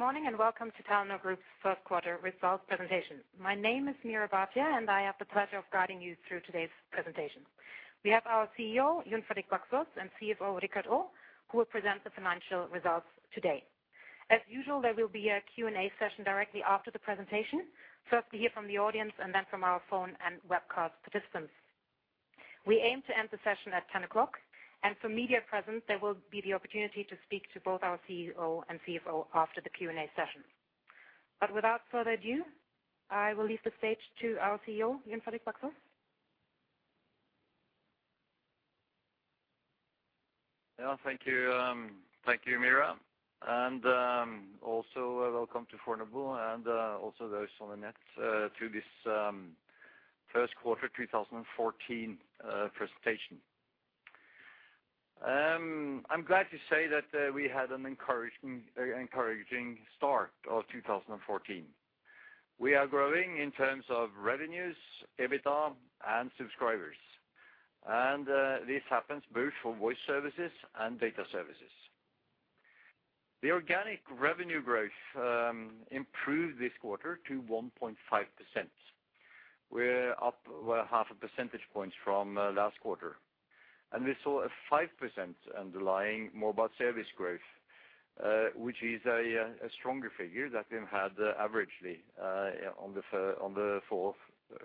Good morning, and welcome to Telenor Group's first quarter results presentation. My name is Meera Bhatia, and I have the pleasure of guiding you through today's presentation. We have our CEO, Jon Fredrik Baksaas, and CFO, Richard Olav Aa who will present the financial results today. As usual, there will be a Q&A session directly after the presentation, first to hear from the audience, and then from our phone and webcast participants. We aim to end the session at 10:00 A.M., and for media present, there will be the opportunity to speak to both our CEO and CFO after the Q&A session. But without further ado, I will leave the stage to our CEO, Jon Fredrik Baksaas. Yeah, thank you. Thank you, Meera, and also welcome to Fornebu, and also those on the net to this first quarter 2014 presentation. I'm glad to say that we had an encouraging, encouraging start of 2014. We are growing in terms of revenues, EBITDA, and subscribers, and this happens both for voice services and data services. The organic revenue growth improved this quarter to 1.5%. We're up, well, 0.5 percentage point from last quarter. We saw a 5% underlying mobile service growth, which is a stronger figure that we've had averagely on the fourth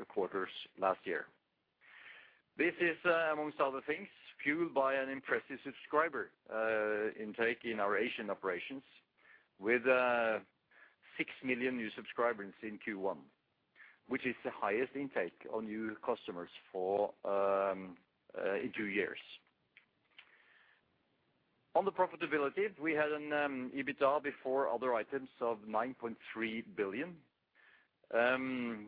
quarters last year. This is, among other things, fueled by an impressive subscriber intake in our Asian operations, with 6 million new subscribers in Q1, which is the highest intake of new customers in two years. On the profitability, we had an EBITDA before other items of 9.3 billion. And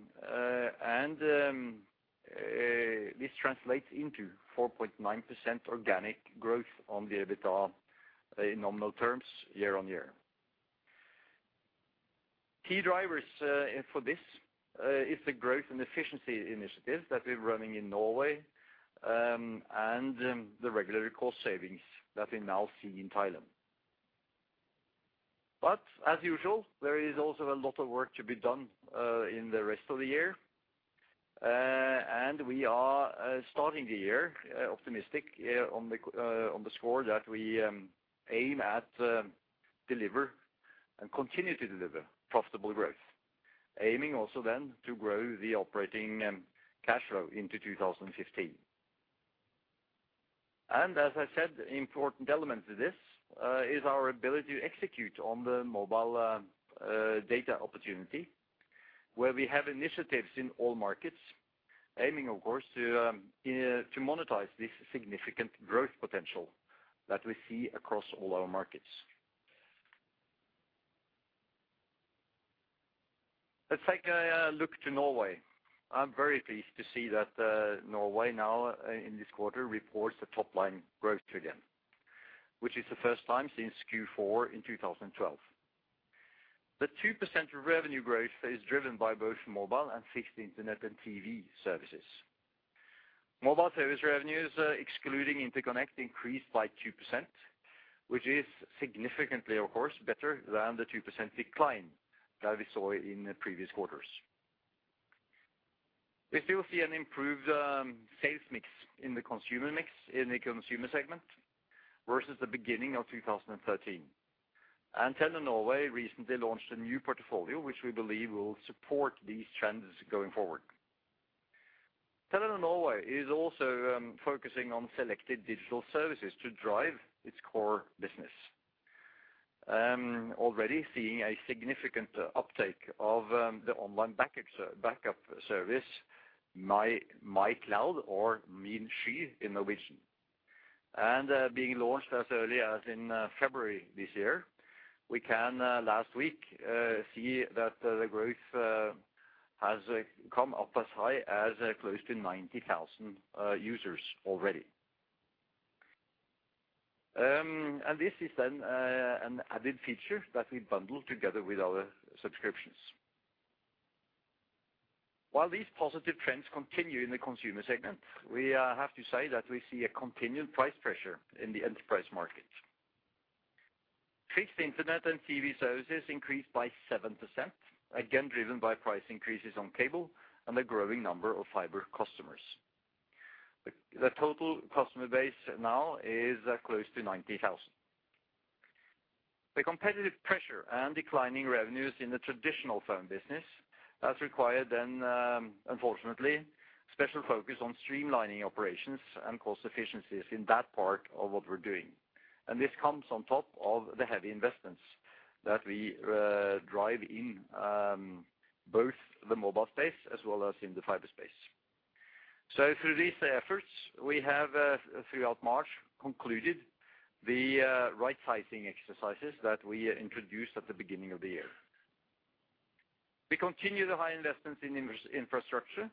this translates into 4.9% organic growth on the EBITDA in nominal terms year-on-year. Key drivers for this is the growth and efficiency initiatives that we're running in Norway, and the regulatory cost savings that we now see in Thailand. But as usual, there is also a lot of work to be done in the rest of the year. And we are starting the year optimistic on the score that we aim at deliver and continue to deliver profitable growth. Aiming also then to grow the operating cash flow into 2015. And as I said, the important element to this is our ability to execute on the mobile data opportunity, where we have initiatives in all markets, aiming, of course, to to monetize this significant growth potential that we see across all our markets. Let's take a look to Norway. I'm very pleased to see that Norway now, in this quarter, reports the top-line growth again, which is the first time since Q4 in 2012. The 2% revenue growth is driven by both mobile and fixed internet and TV services. Mobile service revenues, excluding interconnect, increased by 2%, which is significantly, of course, better than the 2% decline that we saw in the previous quarters. We still see an improved sales mix in the consumer mix, in the consumer segment, versus the beginning of 2013. Telenor Norway recently launched a new portfolio, which we believe will support these trends going forward. Telenor Norway is also focusing on selected digital services to drive its core business. Already seeing a significant uptake of the online backup service, My Cloud, or Min Sky in Norwegian. Being launched as early as in February this year, we can last week see that the growth has come up as high as close to 90,000 users already. And this is then an added feature that we bundle together with our subscriptions. While these positive trends continue in the consumer segment, we have to say that we see a continued price pressure in the enterprise market. Fixed internet and TV services increased by 7%, again, driven by price increases on cable and the growing number of fiber customers. The total customer base now is close to 90,000. The competitive pressure and declining revenues in the traditional phone business has required then, unfortunately, special focus on streamlining operations and cost efficiencies in that part of what we're doing. And this comes on top of the heavy investments that we drive in both the mobile space as well as in the fiber space. Through these efforts, we have throughout March concluded the right-sizing exercises that we introduced at the beginning of the year. We continue the high investments in infrastructure,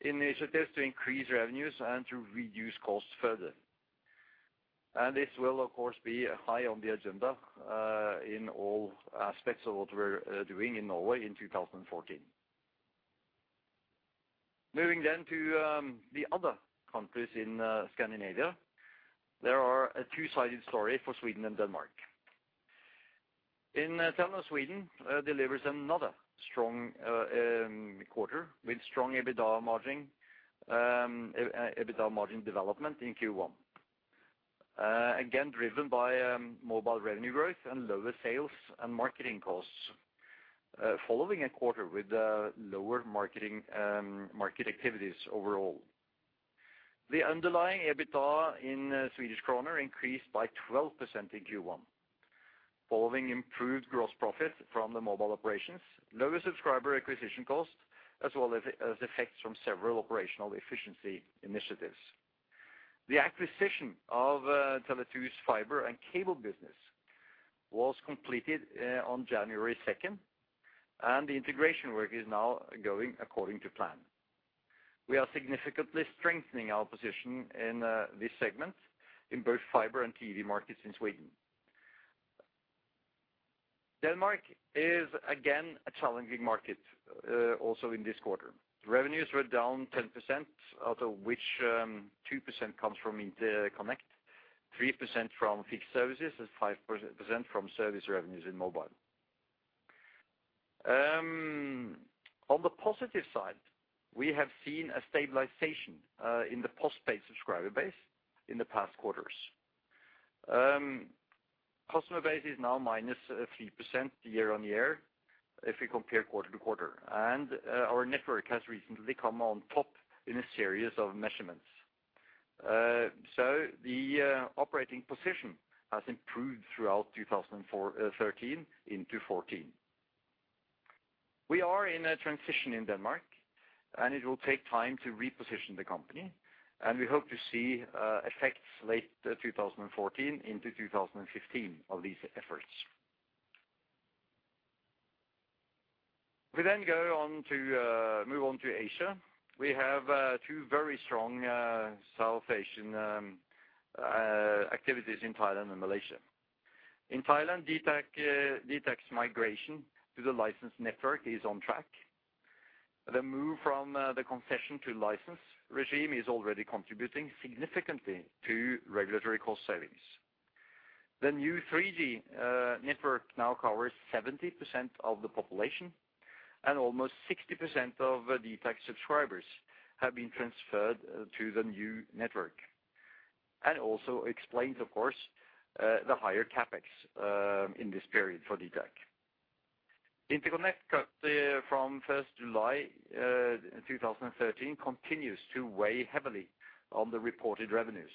initiatives to increase revenues, and to reduce costs further. This will, of course, be high on the agenda in all aspects of what we're doing in Norway in 2014. Moving then to the other countries in Scandinavia, there are a two-sided story for Sweden and Denmark. In Telenor Sweden, delivers another strong quarter, with strong EBITDA margin, EBITDA margin development in Q1. Again, driven by mobile revenue growth and lower sales and marketing costs, following a quarter with lower marketing market activities overall. The underlying EBITDA in Swedish kronor increased by 12% in Q1, following improved gross profit from the mobile operations, lower subscriber acquisition cost, as well as effects from several operational efficiency initiatives. The acquisition of Tele2's fiber and cable business was completed on January 2nd, and the integration work is now going according to plan. We are significantly strengthening our position in this segment in both fiber and TV markets in Sweden. Denmark is, again, a challenging market also in this quarter. Revenues were down 10%, out of which 2% comes from Interconnect, 3% from fixed services, and 5% from service revenues in mobile. On the positive side, we have seen a stabilization in the postpaid subscriber base in the past quarters. Customer base is now minus a few percent year-on-year, if we compare quarter-to-quarter, and our network has recently come on top in a series of measurements. So the operating position has improved throughout 2013 into 2014. We are in a transition in Denmark, and it will take time to reposition the company, and we hope to see effects late 2014 into 2015 of these efforts. We then go on to move on to Asia. We have two very strong South Asian activities in Thailand and Malaysia. In Thailand, DTAC, DTAC's migration to the license network is on track. The move from the concession to license regime is already contributing significantly to regulatory cost savings. The new 3G network now covers 70% of the population, and almost 60% of dtac subscribers have been transferred to the new network, and also explains, of course, the higher CapEx in this period for dtac. Interconnect cut from 1st July 2013, continues to weigh heavily on the reported revenues.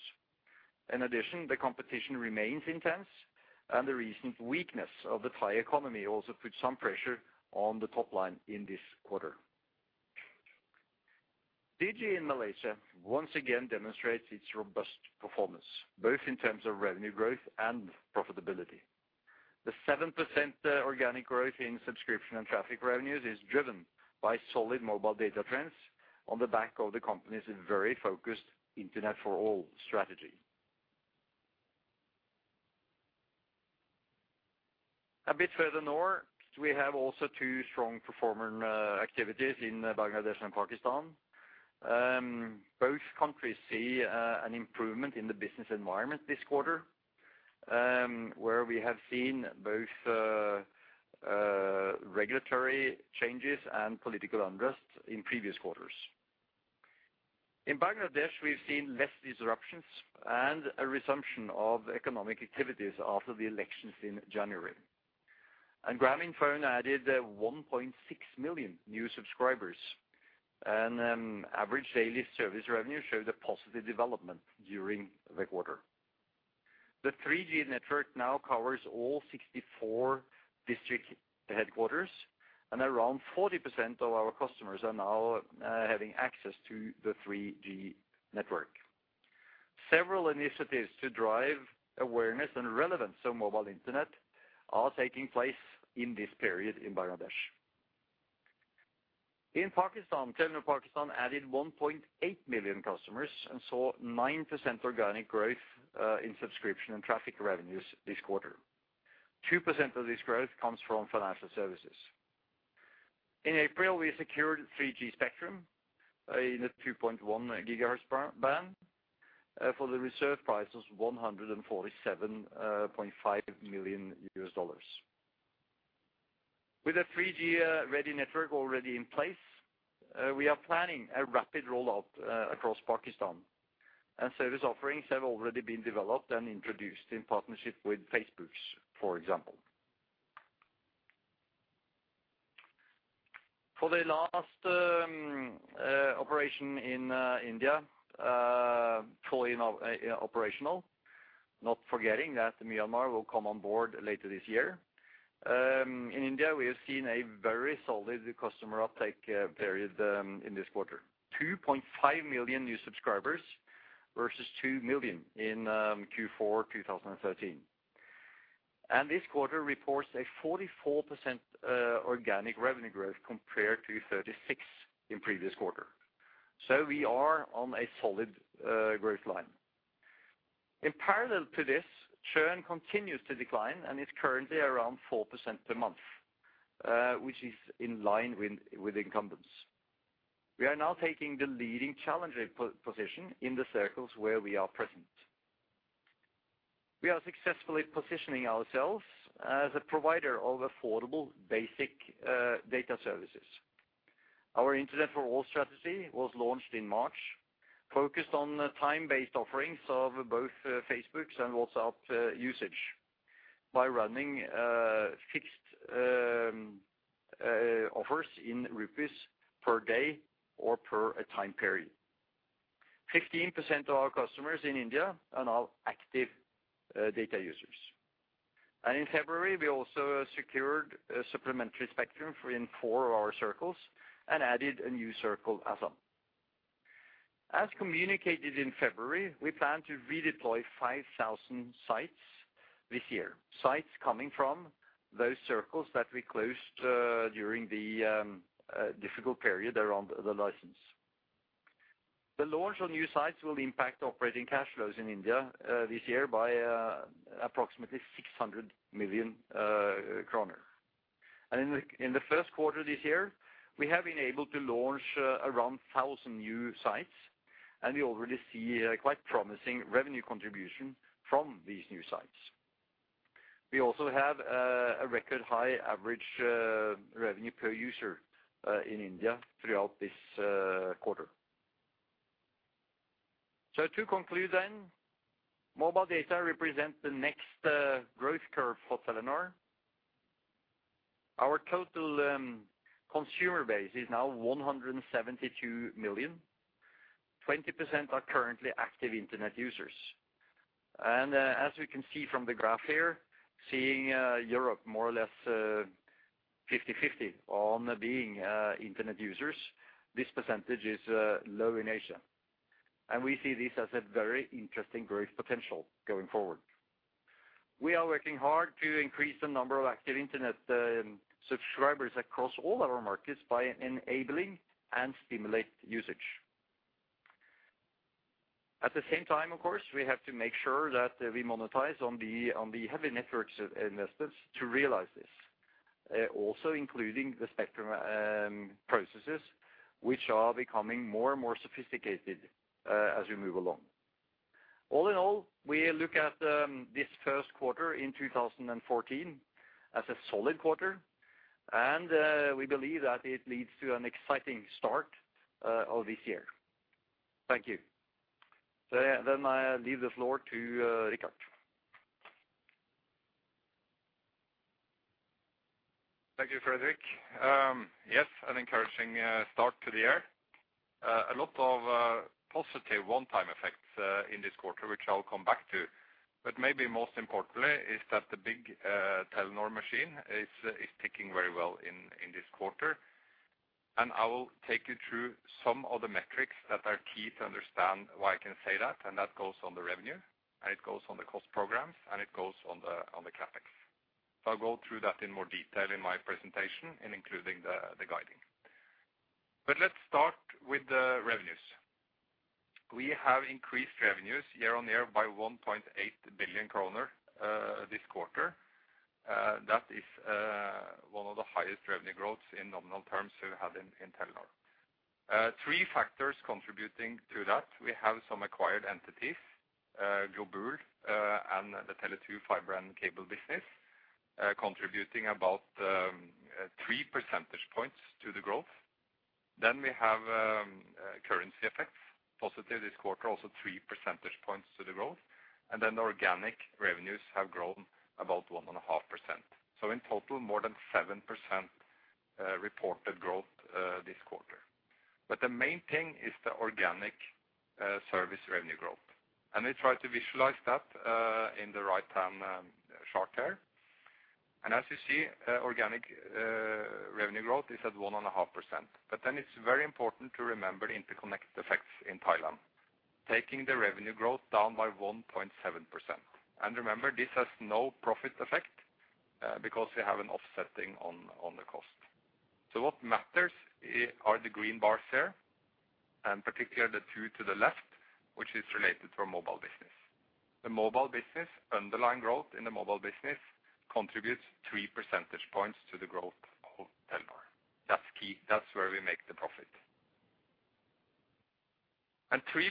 In addition, the competition remains intense, and the recent weakness of the Thai economy also put some pressure on the top line in this quarter. Digi in Malaysia once again demonstrates its robust performance, both in terms of revenue growth and profitability. The 7% organic growth in subscription and traffic revenues is driven by solid mobile data trends on the back of the company's very focused Internet for All strategy. A bit further north, we have also two strong performing activities in Bangladesh and Pakistan. Both countries see an improvement in the business environment this quarter, where we have seen both regulatory changes and political unrest in previous quarters. In Bangladesh, we've seen less disruptions and a resumption of economic activities after the elections in January. Grameenphone added 1.6 million new subscribers, and average daily service revenue showed a positive development during the quarter. The 3G network now covers all 64 district headquarters, and around 40% of our customers are now having access to the 3G network. Several initiatives to drive awareness and relevance of mobile internet are taking place in this period in Bangladesh. In Pakistan, Telenor Pakistan added 1.8 million customers and saw 9% organic growth in subscription and traffic revenues this quarter. 2% of this growth comes from financial services. In April, we secured 3G spectrum in a 2.1 gigahertz paired band, for the reserve price was $147.5 million. With a 3G-ready network already in place, we are planning a rapid rollout across Pakistan, and service offerings have already been developed and introduced in partnership with Facebook, for example. For the last operation in India, fully now operational, not forgetting that Myanmar will come on board later this year. In India, we have seen a very solid customer uptake period in this quarter. 2.5 million new subscribers versus 2 million in Q4 2013. And this quarter reports a 44% organic revenue growth, compared to 36 in previous quarter. So we are on a solid growth line. In parallel to this, churn continues to decline and is currently around 4% per month, which is in line with incumbents. We are now taking the leading challenger position in the circles where we are present. We are successfully positioning ourselves as a provider of affordable, basic data services. Our Internet For All strategy was launched in March, focused on the time-based offerings of both Facebook and WhatsApp usage, by running fixed offers in INR per day or per a time period. 15% of our customers in India are now active data users. In February, we also secured a supplementary spectrum in four of our circles and added a new circle, Assam. As communicated in February, we plan to redeploy 5,000 sites this year, sites coming from those circles that we closed during the difficult period around the license. The launch on new sites will impact operating cash flows in India this year by approximately 600 million kroner. In the first quarter this year, we have been able to launch around 1,000 new sites, and we already see a quite promising revenue contribution from these new sites. We also have a record high average revenue per user in India throughout this quarter. To conclude then, mobile data represents the next growth curve for Telenor. Our total consumer base is now 172 million, 20% are currently active internet users. As we can see from the graph here, seeing Europe more or less 50/50 on being internet users, this percentage is low in Asia, and we see this as a very interesting growth potential going forward. We are working hard to increase the number of active internet subscribers across all our markets by enabling and stimulate usage. At the same time, of course, we have to make sure that we monetize on the, on the heavy networks investments to realize this, also including the spectrum processes, which are becoming more and more sophisticated as we move along. All in all, we look at this first quarter in 2014 as a solid quarter, and we believe that it leads to an exciting start of this year. Thank you. So then, I leave the floor to Richard. Thank you, Fredrik. Yes, an encouraging start to the year. A lot of positive one-time effects in this quarter, which I'll come back to. But maybe most importantly is that the big Telenor machine is ticking very well in this quarter. And I will take you through some of the metrics that are key to understand why I can say that, and that goes on the revenue, and it goes on the cost programs, and it goes on the CapEx. I'll go through that in more detail in my presentation, and including the guiding. But let's start with the revenues. We have increased revenues year-on-year by 1.8 billion kroner this quarter. That is one of the highest revenue growths in nominal terms we have in Telenor. Three factors contributing to that. We have some acquired entities, Globul and the Tele2 fiber and cable business, contributing about 3 percentage points to the growth. Then we have currency effects, positive this quarter, also 3 percentage points to the growth. And then the organic revenues have grown about 1.5%. So in total, more than 7% reported growth this quarter. But the main thing is the organic service revenue growth, and we try to visualize that in the right-hand chart here. And as you see, organic revenue growth is at 1.5%. But then it's very important to remember the interconnect effects in Thailand, taking the revenue growth down by 1.7%. And remember, this has no profit effect because we have an offsetting on the cost. So what matters are the green bars here, and particularly the two to the left, which is related to our mobile business. The mobile business, underlying growth in the mobile business, contributes 3 percentage points to the growth of Telenor. That's key. That's where we make the profit. And 3%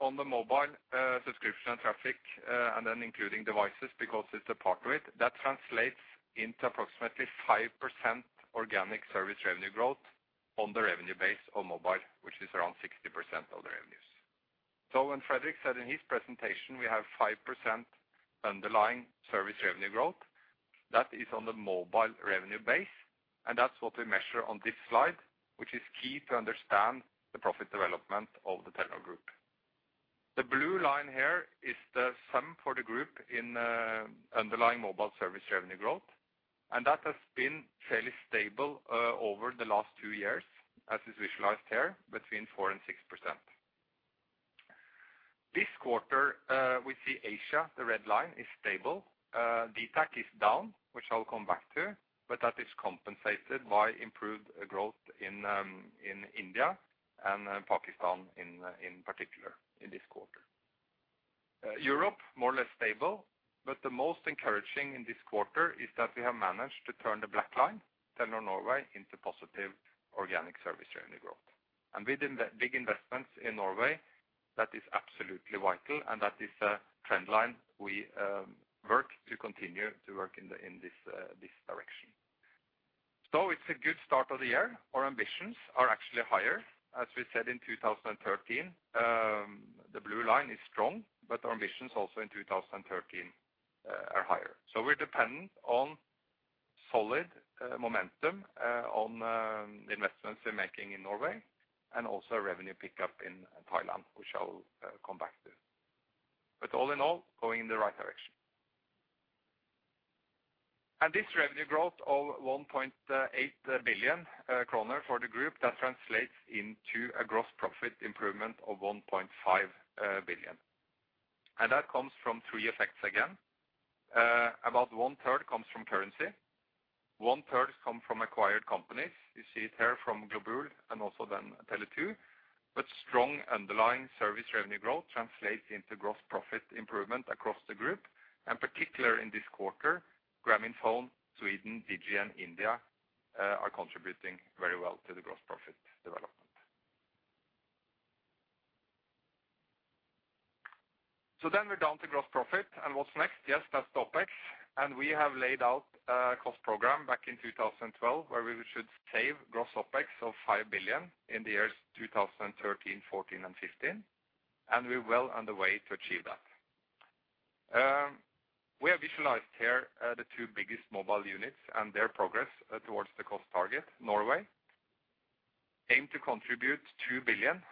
on the mobile, subscription traffic, and then including devices, because it's a part of it, that translates into approximately 5% organic service revenue growth on the revenue base on mobile, which is around 60% of the revenues. So when Fredrik said in his presentation, we have 5% underlying service revenue growth, that is on the mobile revenue base, and that's what we measure on this slide, which is key to understand the profit development of the Telenor group. The blue line here is the sum for the group in underlying mobile service revenue growth, and that has been fairly stable over the last two years, as is visualized here, between 4% and 6%. This quarter, we see Asia, the red line, is stable. dtac is down, which I'll come back to, but that is compensated by improved growth in India and then Pakistan in particular in this quarter. Europe, more or less stable, but the most encouraging in this quarter is that we have managed to turn the black line, Telenor Norway, into positive organic service revenue growth. And with big investments in Norway, that is absolutely vital, and that is a trend line we work to continue to work in this direction. So it's a good start of the year. Our ambitions are actually higher. As we said in 2013, the blue line is strong, but our ambitions also in 2013, are higher. So we're dependent on solid, momentum, on, the investments we're making in Norway, and also revenue pickup in Thailand, which I'll, come back to. But all in all, going in the right direction. And this revenue growth of 1.8 billion kroner for the group, that translates into a gross profit improvement of 1.5 billion. And that comes from three effects again. About one third comes from currency, one third come from acquired companies, you see it here from Globul and also then Tele2. But strong underlying service revenue growth translates into gross profit improvement across the group, and particular in this quarter, Grameenphone, Sweden, Digi, and India, are contributing very well to the gross profit development. So then we're down to gross profit, and what's next? Yes, that's OpEx, and we have laid out a cost program back in 2012, where we should save gross OpEx of 5 billion in the years 2013, 2014, and 2015, and we're well on the way to achieve that. We have visualized here, the two biggest mobile units and their progress, towards the cost target. Norway aim to contribute 2 billion,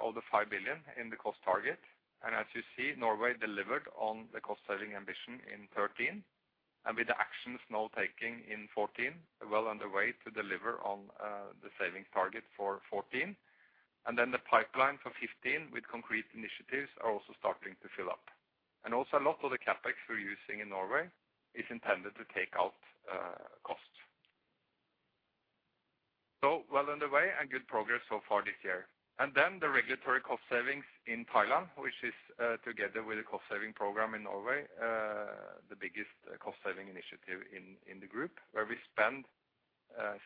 of the 5 billion in the cost target. And as you see, Norway delivered on the cost-saving ambition in 2013, and with the actions now taking in 2014, well on the way to deliver on, the saving target for 2014. And then the pipeline for 2015, with concrete initiatives, are also starting to fill up. And also, a lot of the CapEx we're using in Norway is intended to take out, costs. So well underway and good progress so far this year. And then the regulatory cost savings in Thailand, which is, together with the cost-saving program in Norway, the biggest cost-saving initiative in the group, where we spend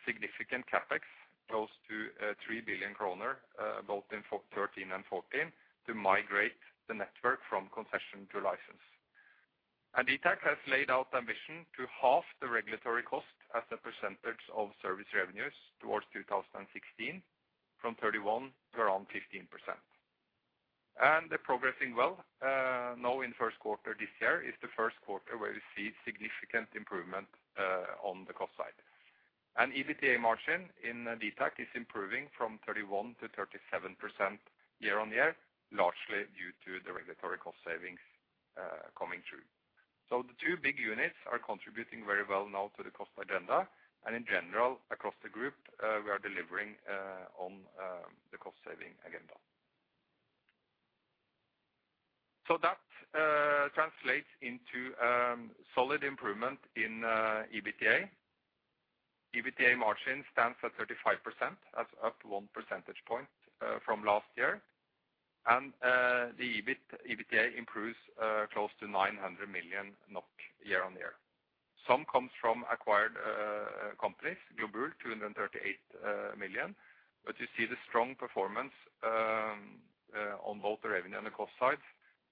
significant CapEx, close to 3 billion kroner, both in 2013 and 2014, to migrate the network from concession to license. And dtac has laid out ambition to halve the regulatory cost as a percentage of service revenues towards 2016, from 31% to around 15%. And they're progressing well. Now in first quarter this year is the first quarter where we see significant improvement on the cost side. And EBITDA margin in dtac is improving from 31%-37% year-on-year, largely due to the regulatory cost savings coming through. So the two big units are contributing very well now to the cost agenda, and in general, across the group, we are delivering on the cost-saving agenda. So that translates into solid improvement in EBITDA. EBITDA margin stands at 35%, that's up 1 percentage point from last year, and the EBIT- EBITDA improves close to 900 million NOK year-on-year. Some comes from acquired companies, Globul 238 million. But you see the strong performance on both the revenue and the cost sides,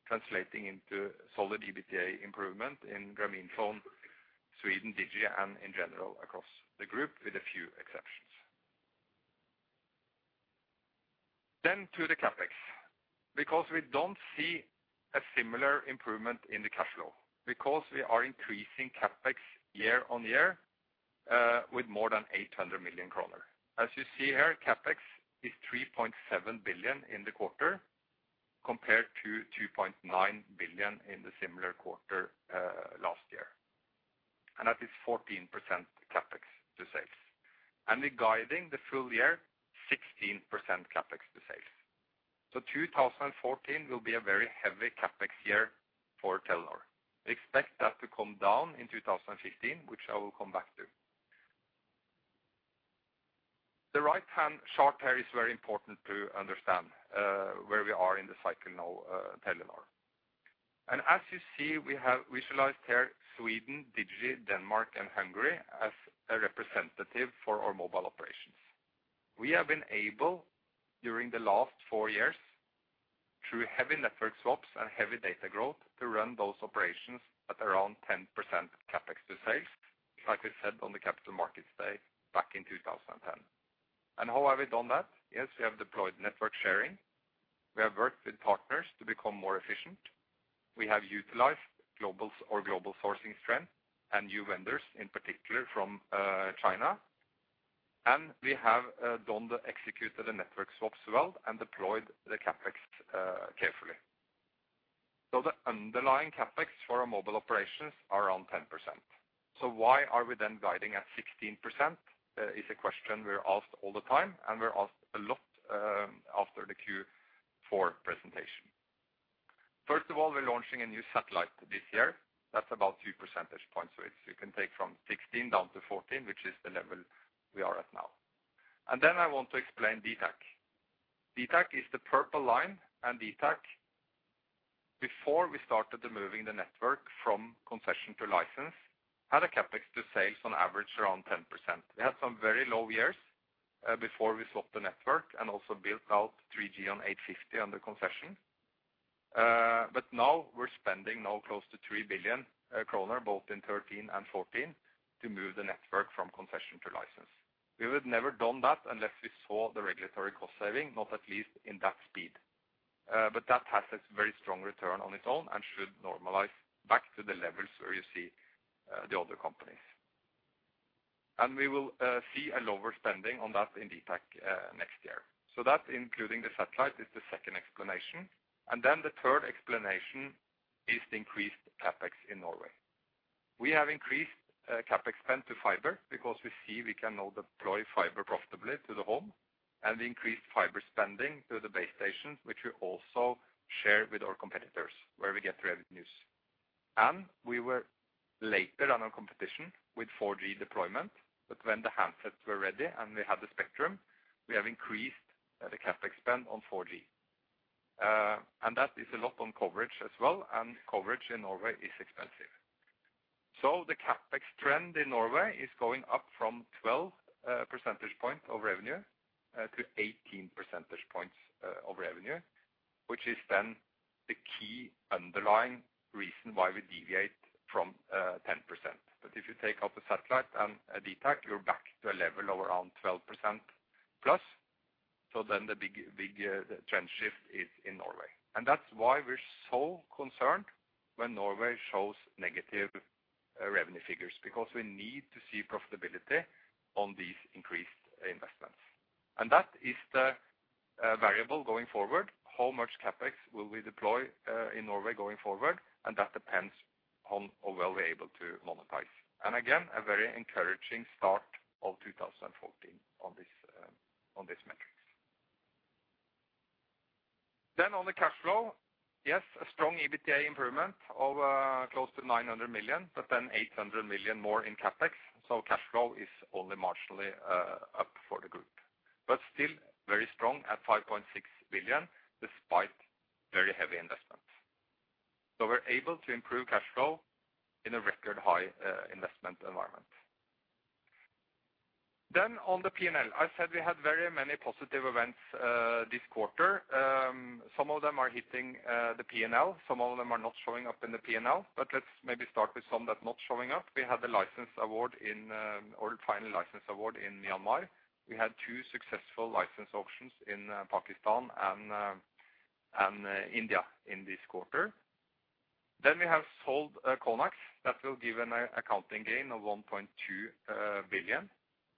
translating into solid EBITDA improvement in Grameenphone, Sweden, Digi, and in general across the group, with a few exceptions. Then to the CapEx, because we don't see a similar improvement in the cash flow, because we are increasing CapEx year-on-year with more than 800 million kroner. As you see here, CapEx is 3.7 billion in the quarter, compared to 2.9 billion in the similar quarter last year, and that is 14% CapEx to sales. We're guiding the full year 16% CapEx to sales. So 2014 will be a very heavy CapEx year for Telenor. We expect that to come down in 2015, which I will come back to. The right-hand chart here is very important to understand where we are in the cycle now, Telenor. As you see, we have visualized here Sweden, Digi, Denmark, and Hungary as a representative for our mobile operations. We have been able, during the last four years, through heavy network swaps and heavy data growth, to run those operations at around 10% CapEx to sales, like we said on the capital markets day back in 2010. And how have we done that? Yes, we have deployed network sharing. We have worked with partners to become more efficient. We have utilized global's or global sourcing strength and new vendors, in particular from China. And we have executed the network swaps well and deployed the CapEx carefully. So the underlying CapEx for our mobile operations are around 10%. So why are we then guiding at 16%? is a question we're asked all the time, and we're asked a lot after the Q4 presentation. First of all, we're launching a new satellite this year. That's about 2 percentage points, so it's you can take from 16 down to 14, which is the level we are at now. And then I want to explain DTAC. DTAC is the purple line, and DTAC, before we started the moving the network from concession to license, had a CapEx to sales on average around 10%. We had some very low years, before we swapped the network and also built out 3G on 850 under concession. But now we're spending now close to 3 billion kroner, both in 2013 and 2014, to move the network from concession to license. We would never done that unless we saw the regulatory cost saving, not at least in that speed. But that has a very strong return on its own and should normalize back to the levels where you see, the other companies. And we will, see a lower spending on that in DTAC, next year. So that, including the satellite, is the second explanation. And then the third explanation is the increased CapEx in Norway. We have increased CapEx spend to fiber because we see we can now deploy fiber profitably to the home, and increased fiber spending to the base stations, which we also share with our competitors, where we get the revenues. And we were later on our competition with 4G deployment, but when the handsets were ready and we had the spectrum, we have increased the CapEx spend on 4G. And that is a lot on coverage as well, and coverage in Norway is expensive. So the CapEx trend in Norway is going up from 12 percentage points of revenue to 18 percentage points of revenue, which is then the key underlying reason why we deviate from 10%. But if you take out the satellite and DTAC, you're back to a level of around 12%+, so then the big, big, trend shift is in Norway. And that's why we're so concerned when Norway shows negative revenue figures, because we need to see profitability on these increased investments. And that is the variable going forward, how much CapEx will we deploy in Norway going forward, and that depends on how well we're able to monetize. And again, a very encouraging start of 2014 on this metrics. Then on the cash flow, yes, a strong EBITDA improvement of close to 900 million, but then 800 million more in CapEx, so cash flow is only marginally up for the group, but still very strong at 5.6 billion, despite very heavy investments. So we're able to improve cash flow in a record high, investment environment. Then on the P&L, I said we had very many positive events, this quarter. Some of them are hitting, the P&L, some of them are not showing up in the P&L, but let's maybe start with some that not showing up. We had the license award in, or final license award in Myanmar. We had two successful license auctions in, Pakistan and India in this quarter. Then we have sold, Conax. That will give an accounting gain of 1.2 billion.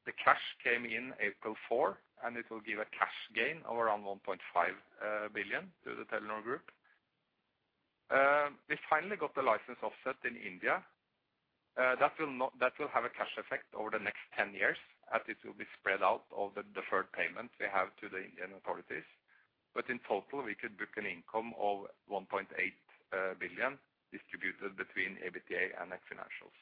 The cash came in April fourth, and it will give a cash gain of around 1.5 billion to the Telenor Group. We finally got the license offset in India. That will have a cash effect over the next 10 years, as it will be spread out of the deferred payment we have to the Indian authorities. But in total, we could book an income of 1.8 billion, distributed between EBITDA and net financials.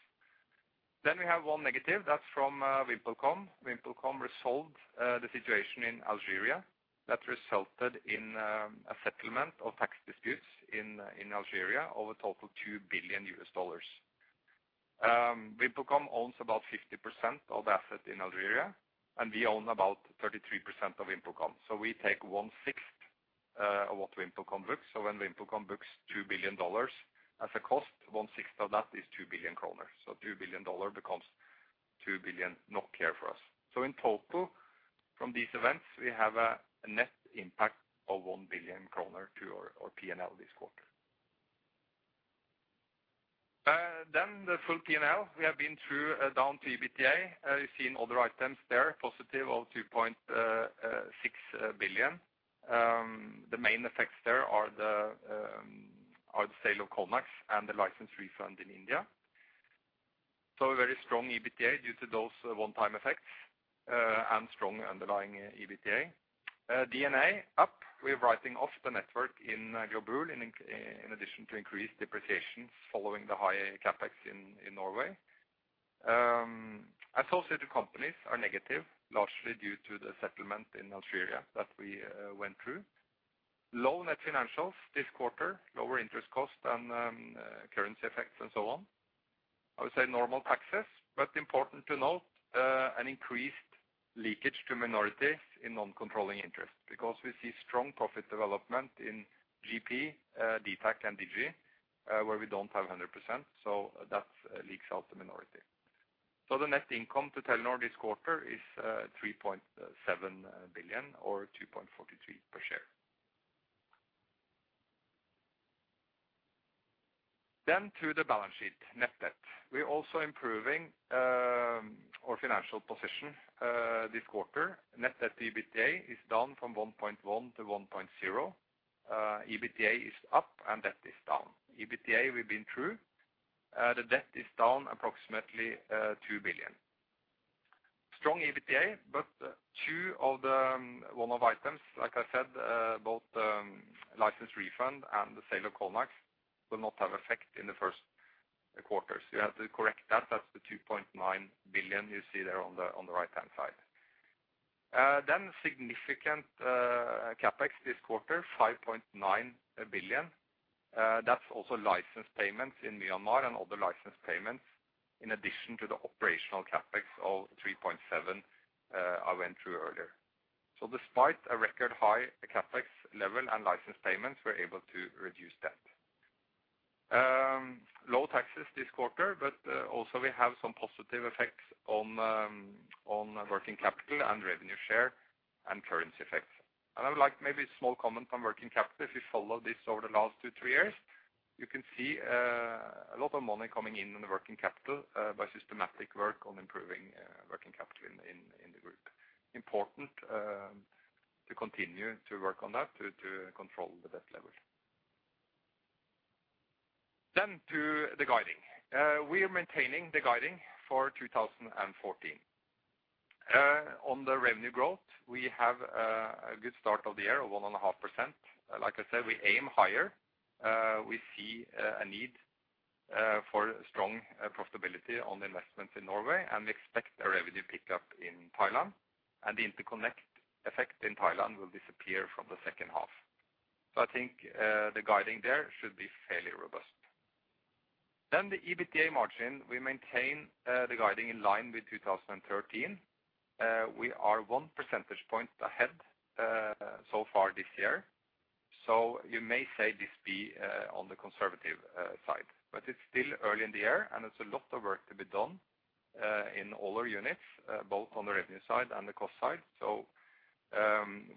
Then we have one negative, that's from VimpelCom. VimpelCom resolved the situation in Algeria. That resulted in a settlement of tax disputes in Algeria of a total $2 billion. VimpelCom owns about 50% of the asset in Algeria, and we own about 33% of VimpelCom. So we take 1/6 of what VimpelCom books. So when VimpelCom books $2 billion as a cost, 1/6 of that is 2 billion kroner. So $2 billion becomes 2 billion for us. So in total, from these events, we have a net impact of 1 billion kroner to our P&L this quarter. Then the full P&L, we have been through down to EBITDA. You've seen all the items there, positive of 2.6 billion. The main effects there are the sale of Conax and the license refund in India. So a very strong EBITDA due to those one-time effects and strong underlying EBITDA. D&A up, we're writing off the network in Globul, in addition to increased depreciations following the high CapEx in Norway. Associated companies are negative, largely due to the settlement in Algeria that we went through. Low net financials this quarter, lower interest costs and currency effects and so on. I would say normal taxes, but important to note, an increased leakage to minorities in non-controlling interests, because we see strong profit development in GP, dtac and Digi, where we don't have 100%, so that leaks out the minority. So the net income to Telenor this quarter is, 3.7 billion, or 2.43 per share. Then to the balance sheet, net debt. We're also improving, our financial position, this quarter. Net debt to EBITDA is down from 1.1 to 1.0. EBITDA is up and debt is down. EBITDA we've been through. The debt is down approximately, 2 billion. Strong EBITDA, but two of the one-off items, like I said, both, license refund and the sale of Conax will not have effect in the first quarters. You have to correct that. That's the 2.9 billion you see there on the, on the right-hand side. Then significant CapEx this quarter, 5.9 billion. That's also license payments in Myanmar and other license payments, in addition to the operational CapEx of 3.7 billion I went through earlier. So despite a record high CapEx level and license payments, we're able to reduce debt. Low taxes this quarter, but also we have some positive effects on working capital and revenue share and currency effects. And I would like maybe a small comment on working capital. If you follow this over the last two, three years, you can see a lot of money coming in on the working capital by systematic work on improving working capital in the group. Important to continue to work on that to control the debt level. Then to the guidance. We are maintaining the guidance for 2014. On the revenue growth, we have a good start of the year, 1.5%. Like I said, we aim higher. We see a need for strong profitability on the investments in Norway, and we expect a revenue pickup in Thailand, and the interconnect effect in Thailand will disappear from the second half. So I think the guidance there should be fairly robust. Then the EBITDA margin, we maintain the guidance in line with 2013. We are 1 percentage point ahead so far this year, so you may say it be on the conservative side. But it's still early in the year, and there's a lot of work to be done in all our units, both on the revenue side and the cost side. So,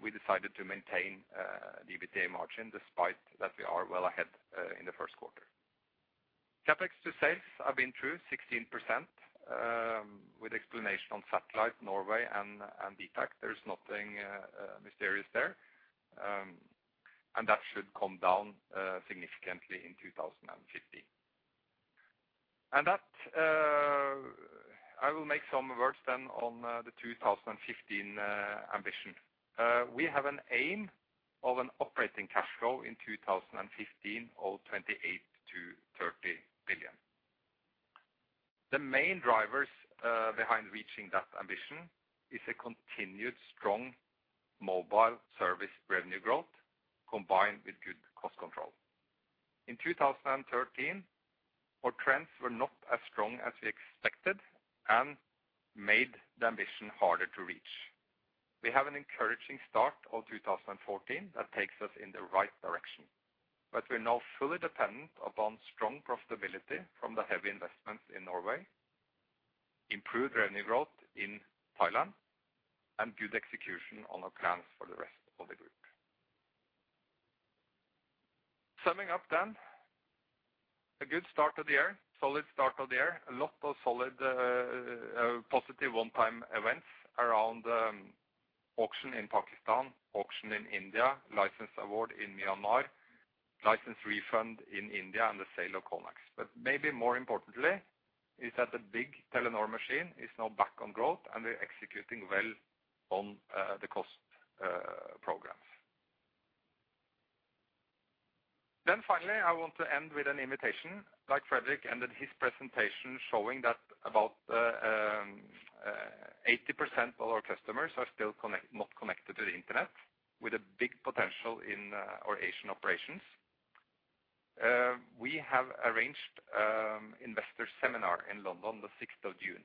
we decided to maintain the EBITDA margin despite that we are well ahead in the first quarter. CapEx to sales, I've been through 16%, with explanation on satellite, Norway, and dtac. There's nothing mysterious there, and that should come down significantly in 2015. And that, I will make some words then on the 2015 ambition. We have an aim of an operating cash flow in 2015 of 28 billion-30 billion. The main drivers behind reaching that ambition is a continued strong mobile service revenue growth, combined with good cost control. In 2013, our trends were not as strong as we expected and made the ambition harder to reach. We have an encouraging start of 2014 that takes us in the right direction, but we're now fully dependent upon strong profitability from the heavy investments in Norway, improved revenue growth in Thailand, and good execution on our plans for the rest of the group. Summing up then, a good start of the year, solid start of the year. A lot of solid, positive one-time events around, auction in Pakistan, auction in India, license award in Myanmar, license refund in India, and the sale of Conax. But maybe more importantly, is that the big Telenor machine is now back on growth, and we're executing well on the cost programs. Then finally, I want to end with an invitation, like Fredrik ended his presentation, showing that about 80% of our customers are still not connected to the internet, with a big potential in our Asian operations. We have arranged investor seminar in London, the sixth of June,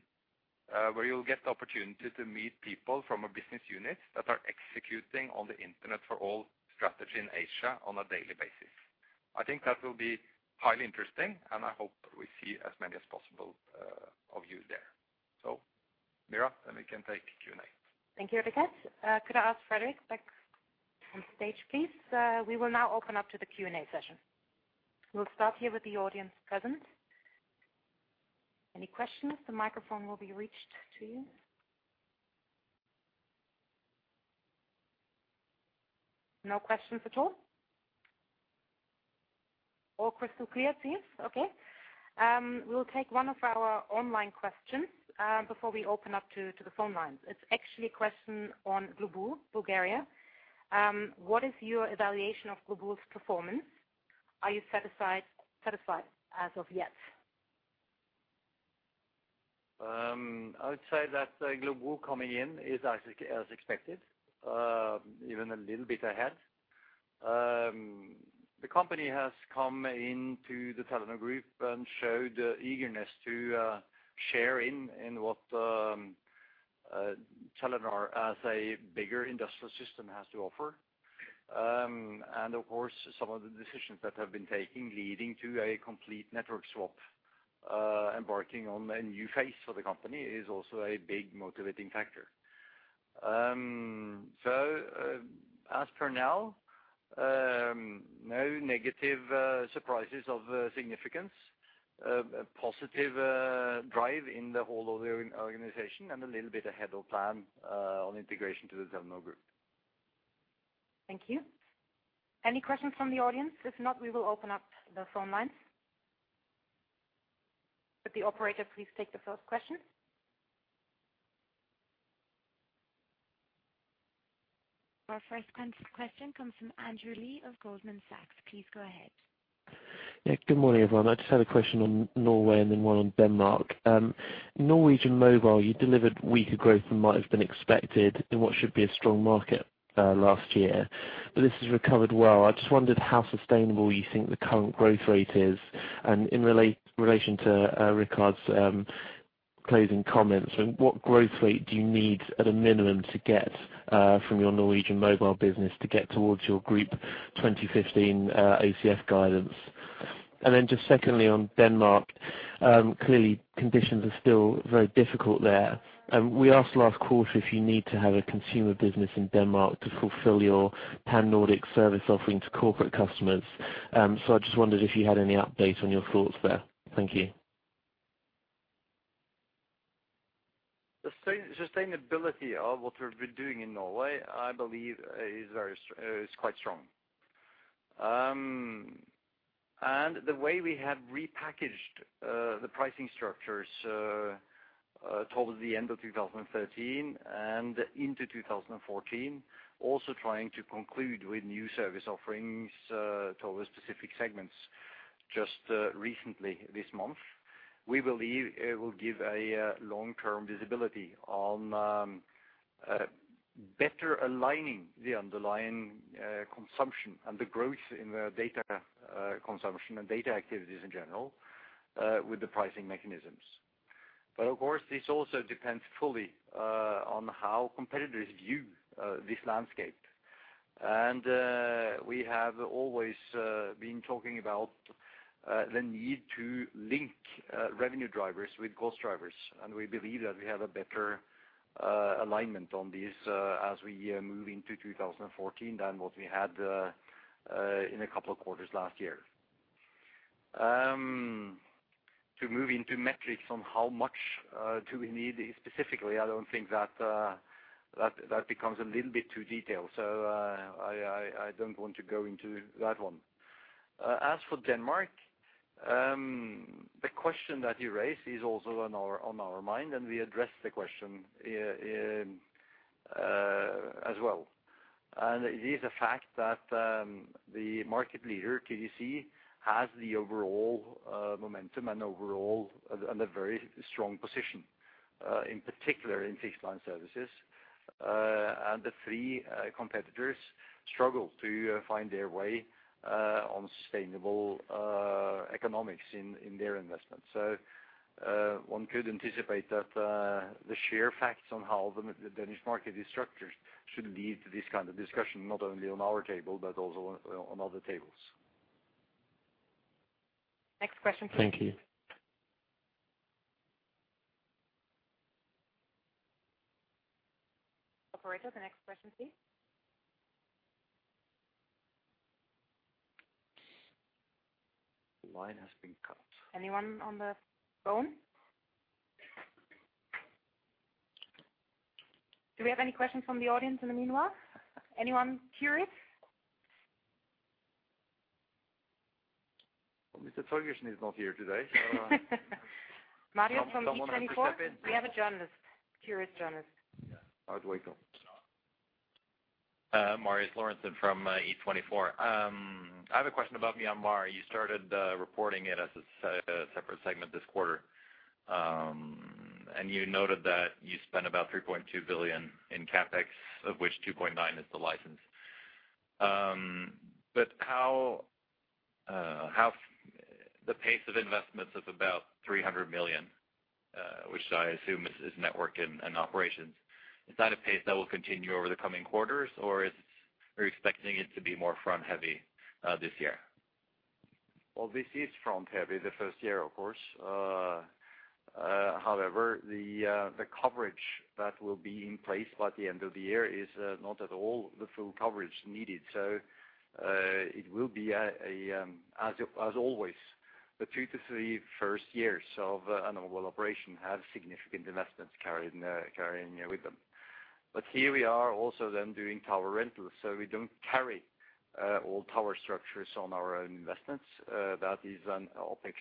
where you'll get the opportunity to meet people from our business units that are executing on the Internet for all strategy in Asia on a daily basis. I think that will be highly interesting, and I hope we see as many as possible of you there. So Meera, then we can take Q&A. Thank you, Richard. Could I ask Fredrik back on stage, please? We will now open up to the Q&A session. We'll start here with the audience present. Any questions? The microphone will be reached to you. No questions at all? All crystal clear, it seems. Okay, we'll take one of our online questions before we open up to the phone lines. It's actually a question on Globul, Bulgaria. What is your evaluation of Globul's performance? Are you satisfied as of yet? I would say that, Globul coming in is actually as expected, even a little bit ahead. The company has come into the Telenor Group and showed eagerness to share in, in what, Telenor as a bigger industrial system has to offer. And of course, some of the decisions that have been taking, leading to a complete network swap, embarking on a new phase for the company, is also a big motivating factor. So, as for now, no negative surprises of significance. A positive drive in the whole of the organization, and a little bit ahead of plan, on integration to the Telenor Group. ... Thank you. Any questions from the audience? If not, we will open up the phone lines. Could the operator please take the first question? Our first question comes from Andrew Lee of Goldman Sachs. Please go ahead. Yeah. Good morning, everyone. I just had a question on Norway, and then one on Denmark. Norwegian Mobile, you delivered weaker growth than might have been expected in what should be a strong market, last year, but this has recovered well. I just wondered how sustainable you think the current growth rate is, and in relation to, Richard's, closing comments, and what growth rate do you need at a minimum to get, from your Norwegian mobile business to get towards your group 2015, ACF guidance? And then just secondly, on Denmark, clearly, conditions are still very difficult there. We asked last quarter if you need to have a consumer business in Denmark to fulfill your Pan-Nordic service offering to corporate customers. So I just wondered if you had any update on your thoughts there. Thank you. The sustainability of what we've been doing in Norway, I believe, is quite strong. And the way we have repackaged the pricing structures towards the end of 2013 and into 2014, also trying to conclude with new service offerings towards specific segments just recently, this month. We believe it will give a long-term visibility on better aligning the underlying consumption and the growth in the data consumption and data activities in general with the pricing mechanisms. But of course, this also depends fully on how competitors view this landscape. We have always been talking about the need to link revenue drivers with cost drivers, and we believe that we have a better alignment on this as we move into 2014 than what we had in a couple of quarters last year. To move into metrics on how much do we need specifically, I don't think that that becomes a little bit too detailed, so I don't want to go into that one. As for Denmark, the question that you raised is also on our mind, and we addressed the question in as well. It is a fact that the market leader, TDC, has the overall momentum and a very strong position in particular in fixed line services. The three competitors struggle to find their way on sustainable economics in their investments. One could anticipate that the sheer facts on how the Danish market is structured should lead to this kind of discussion, not only on our table, but also on other tables. Next question, please. Thank you. Operator, the next question, please. The line has been cut. Anyone on the phone? Do we have any questions from the audience in the meanwhile? Anyone curious? Mr. Torgersen is not here today, so. Marius from E24? Someone might step in. We have a journalist, a curious journalist. Yeah. Oh, welcome. Marius Lorentzen from E24. I have a question about Myanmar. You started reporting it as a separate segment this quarter. And you noted that you spent about 3.2 billion in CapEx, of which 2.9 is the license. But how the pace of investments of about 300 million, which I assume is network and operations, is that a pace that will continue over the coming quarters, or are you expecting it to be more front-heavy this year? Well, this is front-heavy, the first year, of course. However, the coverage that will be in place by the end of the year is not at all the full coverage needed, so it will be a, as always, the two-three first years of a normal operation have significant investments carried in, carrying with them. But here we are also then doing tower rentals, so we don't carry all tower structures on our own investments. That is an OpEx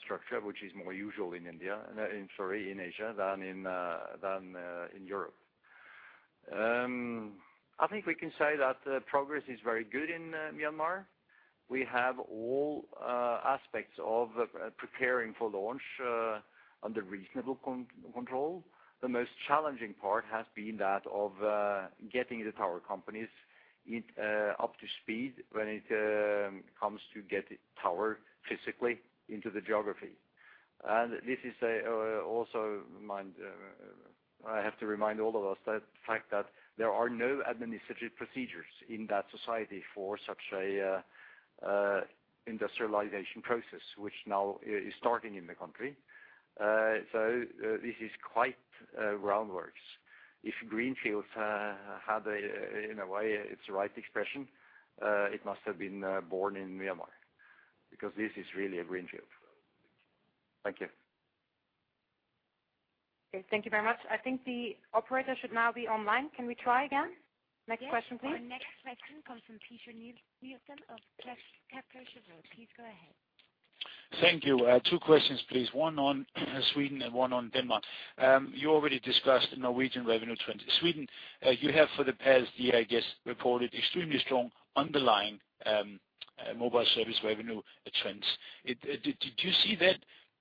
structure, which is more usual in India, sorry, in Asia than in Europe. I think we can say that progress is very good in Myanmar. We have all aspects of preparing for launch under reasonable control. The most challenging part has been that of getting the tower companies in up to speed when it comes to get the tower physically into the geography. And this is a also mind I have to remind all of us that the fact that there are no administrative procedures in that society for such a industrialization process, which now is starting in the country. So, this is quite groundworks. If greenfields had a, in a way, it's the right expression, it must have been born in Myanmar, because this is really a greenfield. Thank you.... Okay, thank you very much. I think the operator should now be online. Can we try again? Next question, please. Yes, our next question comes from Peter Nielsen of Kepler Cheuvreux. Please go ahead. Thank you. Two questions, please. One on Sweden and one on Denmark. You already discussed Norwegian revenue trends. Sweden, you have for the past year, I guess, reported extremely strong underlying mobile service revenue trends. Did you see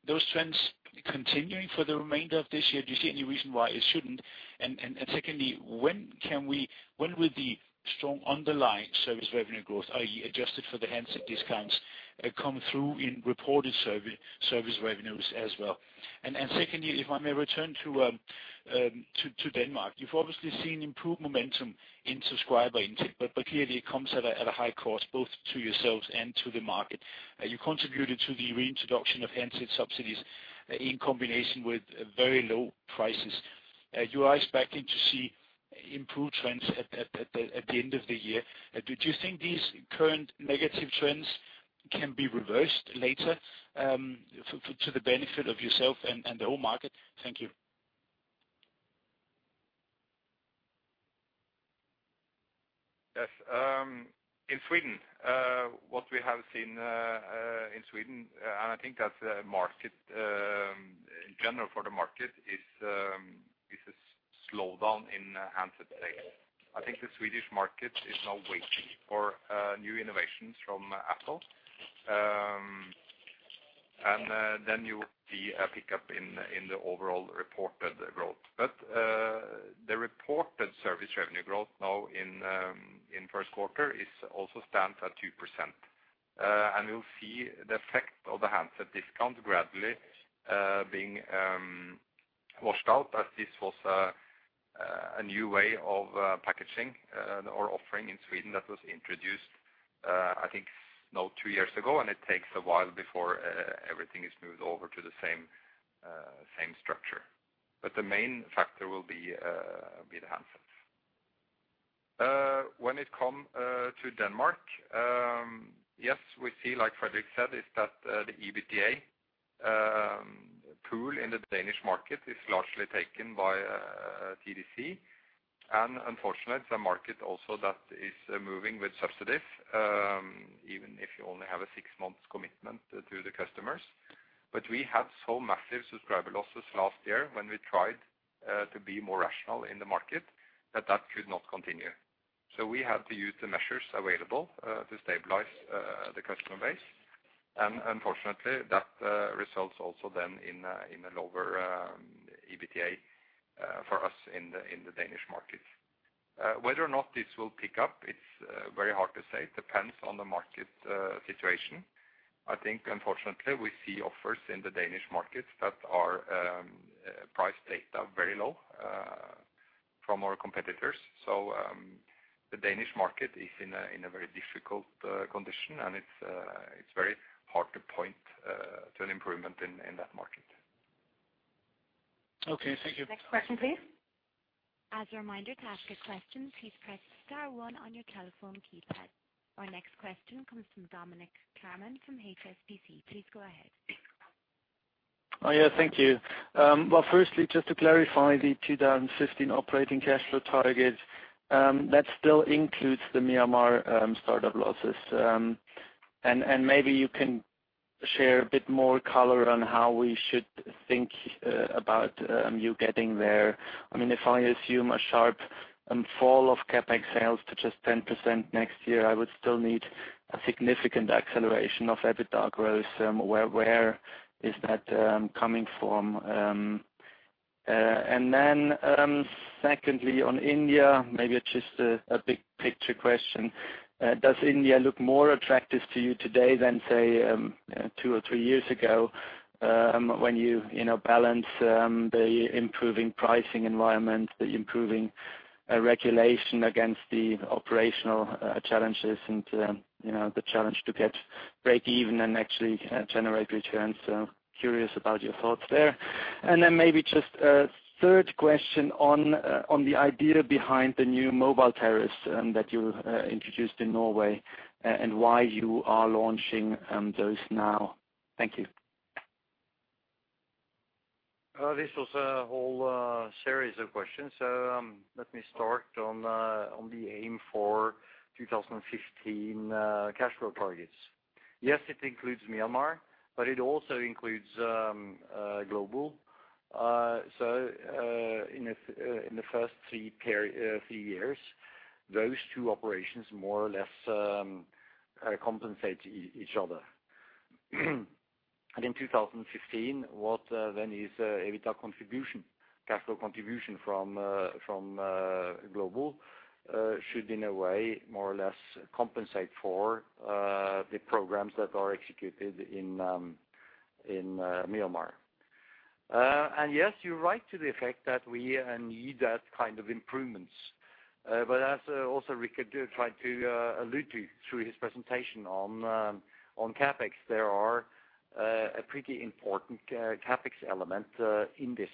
those trends continuing for the remainder of this year? Do you see any reason why it shouldn't? And secondly, when will the strong underlying service revenue growth, i.e., adjusted for the handset discounts, come through in reported service revenues as well? And secondly, if I may return to Denmark. You've obviously seen improved momentum in subscriber intake, but clearly it comes at a high cost, both to yourselves and to the market. You contributed to the reintroduction of handset subsidies in combination with very low prices. You are expecting to see improved trends at the end of the year. Do you think these current negative trends can be reversed later to the benefit of yourself and the whole market? Thank you. Yes, in Sweden, what we have seen in Sweden, and I think that's the market in general for the market is a slowdown in handset sales. I think the Swedish market is now waiting for new innovations from Apple. And then you will see a pickup in the overall reported growth. But the reported service revenue growth now in first quarter is also stand at 2%. And you'll see the effect of the handset discount gradually being washed out, as this was a new way of packaging or offering in Sweden that was introduced, I think now two years ago, and it takes a while before everything is moved over to the same structure. But the main factor will be the handsets. When it come to Denmark, yes, we see, like Fredrik said, is that the EBITDA pool in the Danish market is largely taken by TDC. And unfortunately, it's a market also that is moving with subsidies, even if you only have a six-month commitment to the customers. But we had so massive subscriber losses last year when we tried to be more rational in the market, that that could not continue. So we had to use the measures available to stabilize the customer base. And unfortunately, that results also then in a, in a lower EBITDA for us in the Danish market. Whether or not this will pick up, it's very hard to say. It depends on the market situation. I think, unfortunately, we see offers in the Danish markets that are price data very low from our competitors. So, the Danish market is in a very difficult condition, and it's very hard to point to an improvement in that market. Okay, thank you. Next question, please. As a reminder, to ask a question, please press star one on your telephone keypad. Our next question comes from Dominik Klarmann from HSBC. Please go ahead. Oh, yeah, thank you. Well, firstly, just to clarify the 2015 operating cash flow target, that still includes the Myanmar startup losses. And maybe you can share a bit more color on how we should think about you getting there. I mean, if I assume a sharp fall of CapEx sales to just 10% next year, I would still need a significant acceleration of EBITDA growth. Where is that coming from? And then, secondly, on India, maybe it's just a big picture question. Does India look more attractive to you today than, say, two or three years ago, when you, you know, balance the improving pricing environment, the improving regulation against the operational challenges and, you know, the challenge to get breakeven and actually generate returns? So curious about your thoughts there. And then maybe just a third question on the idea behind the new mobile tariffs that you introduced in Norway and why you are launching those now. Thank you. This was a whole series of questions. So, let me start on the aim for 2015 cash flow targets. Yes, it includes Myanmar, but it also includes Globul. So, in the first three years, those two operations more or less compensate each other. And in 2015, what then is EBITDA contribution, cash flow contribution from Globul should in a way, more or less compensate for the programs that are executed in Myanmar. And yes, you're right to the effect that we need that kind of improvements. But as also Richard tried to allude to through his presentation on CapEx, there are a pretty important CapEx element in this.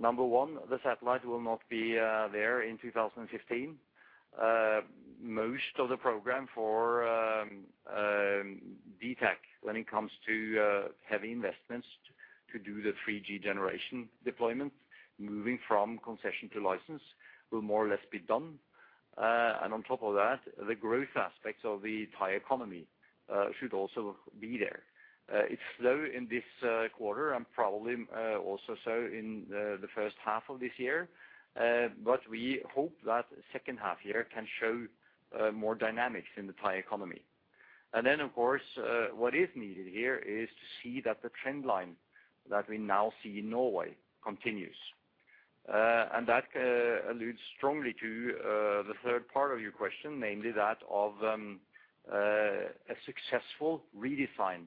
Number one, the satellite will not be there in 2015.... most of the program for DTAC when it comes to heavy investments to do the 3G generation deployment, moving from concession to license will more or less be done. And on top of that, the growth aspects of the Thai economy should also be there. It's slow in this quarter and probably also slow in the first half of this year. But we hope that second half year can show more dynamics in the Thai economy. And then, of course, what is needed here is to see that the trend line that we now see in Norway continues. And that alludes strongly to the third part of your question, namely that of a successful redefine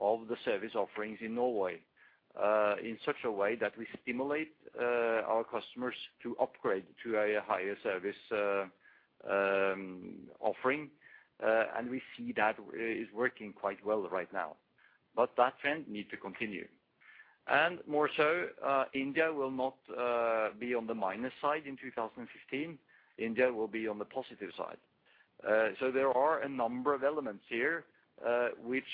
of the service offerings in Norway, in such a way that we stimulate our customers to upgrade to a higher service offering. And we see that is working quite well right now, but that trend needs to continue. And more so, India will not be on the minus side in 2015. India will be on the positive side. So there are a number of elements here, which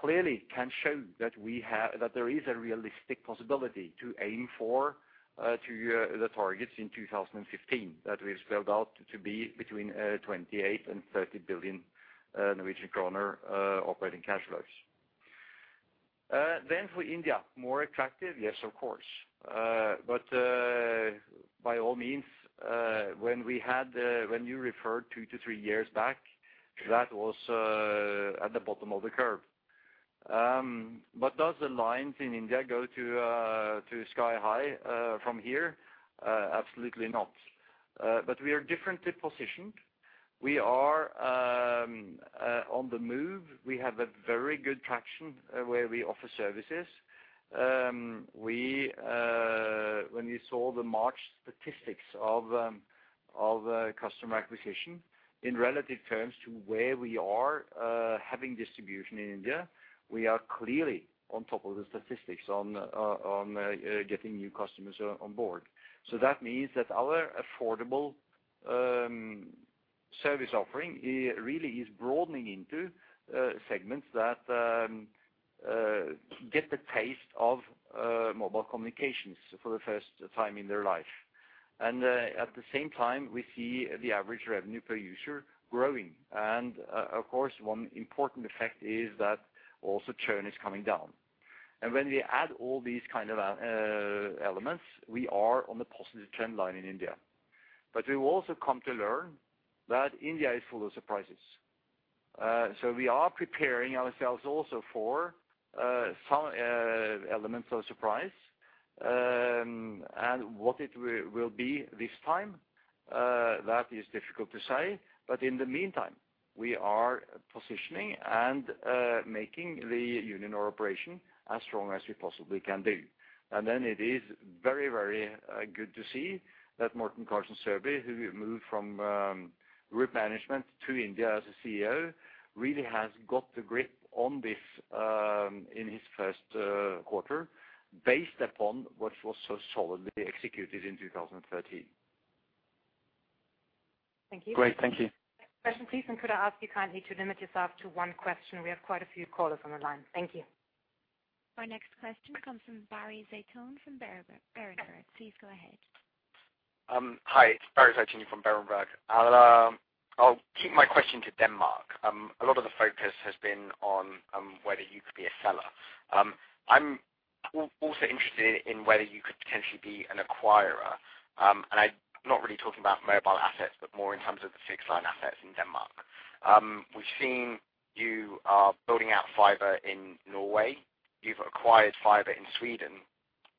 clearly can show that there is a realistic possibility to aim for the targets in 2015, that we've spelled out to be between 28 billion-30 billion Norwegian kroner operating cash flows. Then, for India, more attractive? Yes, of course. But by all means, when you referred two-three years back, that was at the bottom of the curve. But does the lines in India go to sky high from here? Absolutely not. But we are differently positioned. We are on the move. We have a very good traction where we offer services. When you saw the March statistics of customer acquisition, in relative terms to where we are having distribution in India, we are clearly on top of the statistics on getting new customers on board. So that means that our affordable service offering really is broadening into segments that get the taste of mobile communications for the first time in their life. And at the same time, we see the average revenue per user growing. And of course, one important effect is that also churn is coming down. And when we add all these kind of elements, we are on the positive trend line in India. But we've also come to learn that India is full of surprises. So we are preparing ourselves also for some elements of surprise. And what it will be this time that is difficult to say. But in the meantime, we are positioning and making the Uninor operation as strong as we possibly can do. It is very, very good to see that Morten Karlsen Sørby, who moved from group management to India as a CEO, really has got the grip on this in his first quarter, based upon what was so solidly executed in 2013. Thank you. Great, thank you. Next question, please, and could I ask you kindly to limit yourself to one question? We have quite a few callers on the line. Thank you. Our next question comes from Barry Zeitoune from Berenberg. Please go ahead. Hi, it's Barry Zeitoune from Berenberg. I'll keep my question to Denmark. A lot of the focus has been on whether you could be a seller. I'm also interested in whether you could potentially be an acquirer. I'm not really talking about mobile assets, but more in terms of the fixed line assets in Denmark. We've seen you are building out fiber in Norway, you've acquired fiber in Sweden,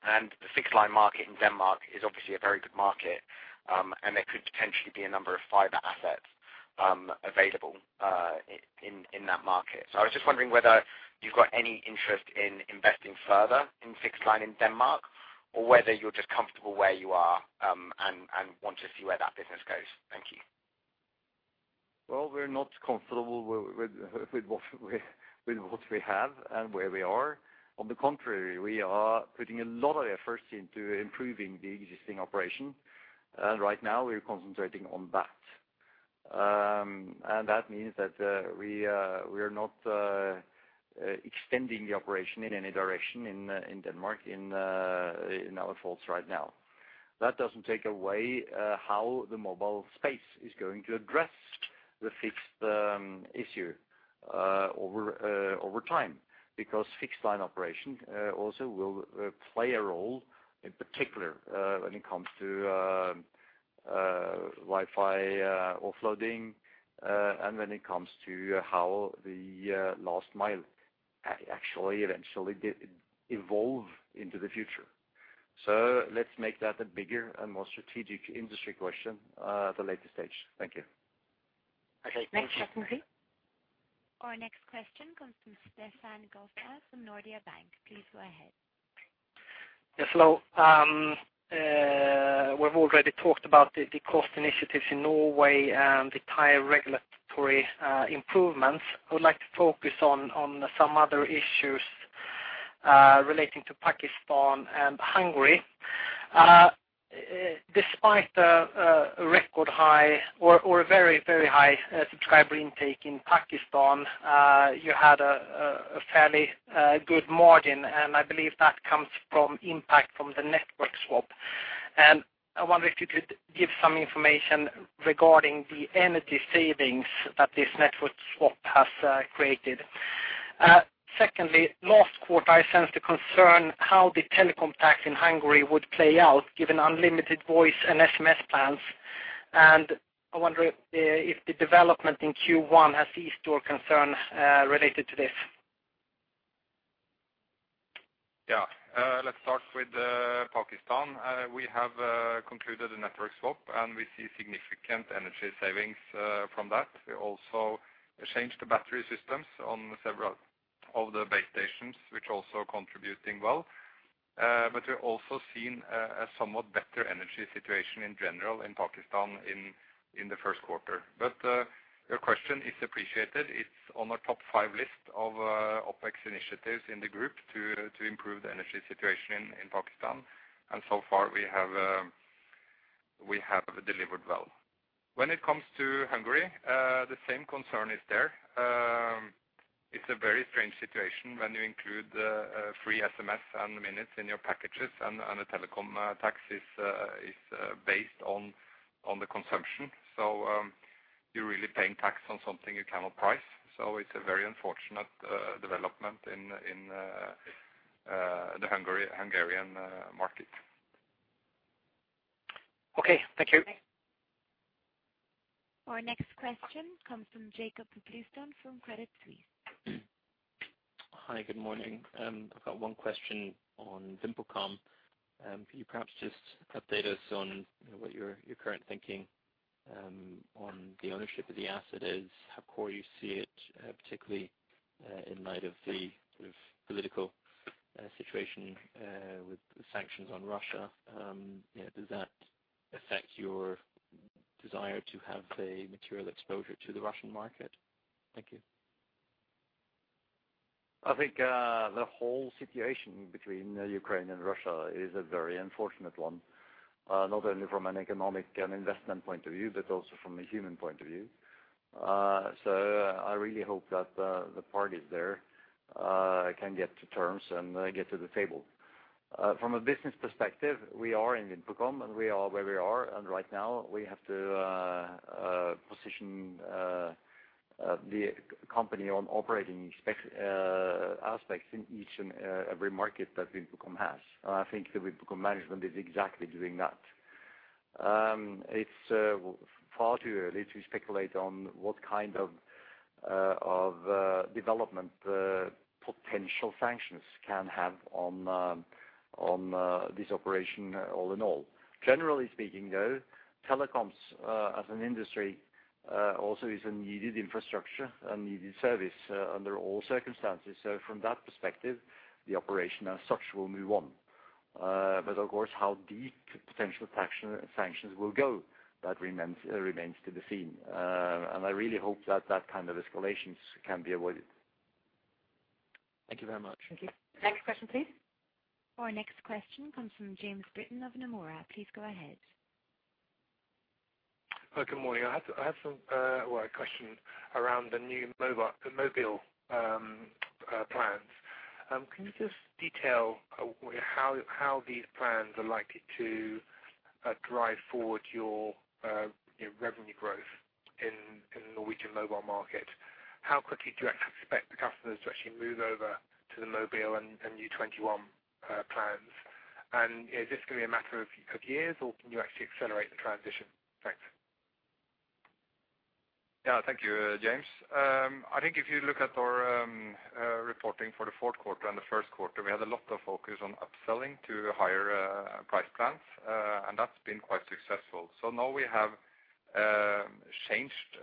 and the fixed line market in Denmark is obviously a very good market, and there could potentially be a number of fiber assets available in that market. So I was just wondering whether you've got any interest in investing further in fixed line in Denmark, or whether you're just comfortable where you are, and want to see where that business goes. Thank you. Well, we're not comfortable with what we have and where we are. On the contrary, we are putting a lot of efforts into improving the existing operation, and right now we're concentrating on that. And that means that we are not extending the operation in any direction in Denmark, in our fold right now. That doesn't take away how the mobile space is going to address the fixed issue over time, because fixed line operation also will play a role, in particular, when it comes to Wi-Fi offloading, and when it comes to how the last mile actually eventually evolve into the future. So let's make that a bigger and more strategic industry question at a later stage. Thank you. Okay, thank you. Next question, please. Our next question comes from Stefan Glevén from Nordea Bank. Please go ahead. Yes, hello. We've already talked about the cost initiatives in Norway and the entire regulatory improvements. I would like to focus on some other issues relating to Pakistan and Hungary. Despite a record high or a very, very high subscriber intake in Pakistan, you had a fairly good margin, and I believe that comes from impact from the network swap. And I wonder if you could give some information regarding the energy savings that this network swap has created. Secondly, last quarter, I sensed a concern how the telecom tax in Hungary would play out, given unlimited voice and SMS plans. And I wonder if the development in Q1 has eased your concern related to this? Yeah, let's start with Pakistan. We have concluded a network swap, and we see significant energy savings from that. We also changed the battery systems on several of the base stations, which also contributing well. But we're also seeing a somewhat better energy situation in general in Pakistan in the first quarter. But your question is appreciated. It's on our top five list of OpEx initiatives in the group to improve the energy situation in Pakistan, and so far we have delivered well. When it comes to Hungary, the same concern is there. It's a very strange situation when you include free SMS and minutes in your packages, and the telecom tax is based on the consumption. So, you're really paying tax on something you cannot price, so it's a very unfortunate development in the Hungarian market. Okay, thank you. Our next question comes from Jakob Bluestone from Credit Suisse. Hi, good morning. I've got one question on VimpelCom. Could you perhaps just update us on what your, your current thinking on the ownership of the asset is? How core you see it, particularly, in light of the sort of political situation with the sanctions on Russia? You know, does that affect your desire to have a material exposure to the Russian market? Thank you. I think the whole situation between Ukraine and Russia is a very unfortunate one, not only from an economic and investment point of view, but also from a human point of view. So I really hope that the parties there can get to terms and get to the table. From a business perspective, we are in VimpelCom, and we are where we are, and right now, we have to position the company on operating aspects in each and every market that VimpelCom has. And I think the VimpelCom management is exactly doing that. It's far too early to speculate on what kind of development the potential sanctions can have on this operation, all in all. Generally speaking, though, telecoms, as an industry, also is a needed infrastructure, a needed service under all circumstances. So from that perspective, the operation as such will move on. But of course, how deep potential sanction, sanctions will go, that remains, remains to be seen. And I really hope that that kind of escalations can be avoided. Thank you very much. Thank you. Next question, please. Our next question comes from James Britton of Nomura. Please go ahead. Hi, good morning. I have some, well, a question around the new mobile plans. Can you just detail how these plans are likely to drive forward your revenue growth in the Norwegian mobile market? How quickly do you actually expect the customers to actually move over to the mobile and new 21 plans? And is this going to be a matter of years, or can you actually accelerate the transition? Thanks. Yeah, thank you, James. I think if you look at our reporting for the fourth quarter and the first quarter, we had a lot of focus on upselling to higher price plans, and that's been quite successful. So now we have changed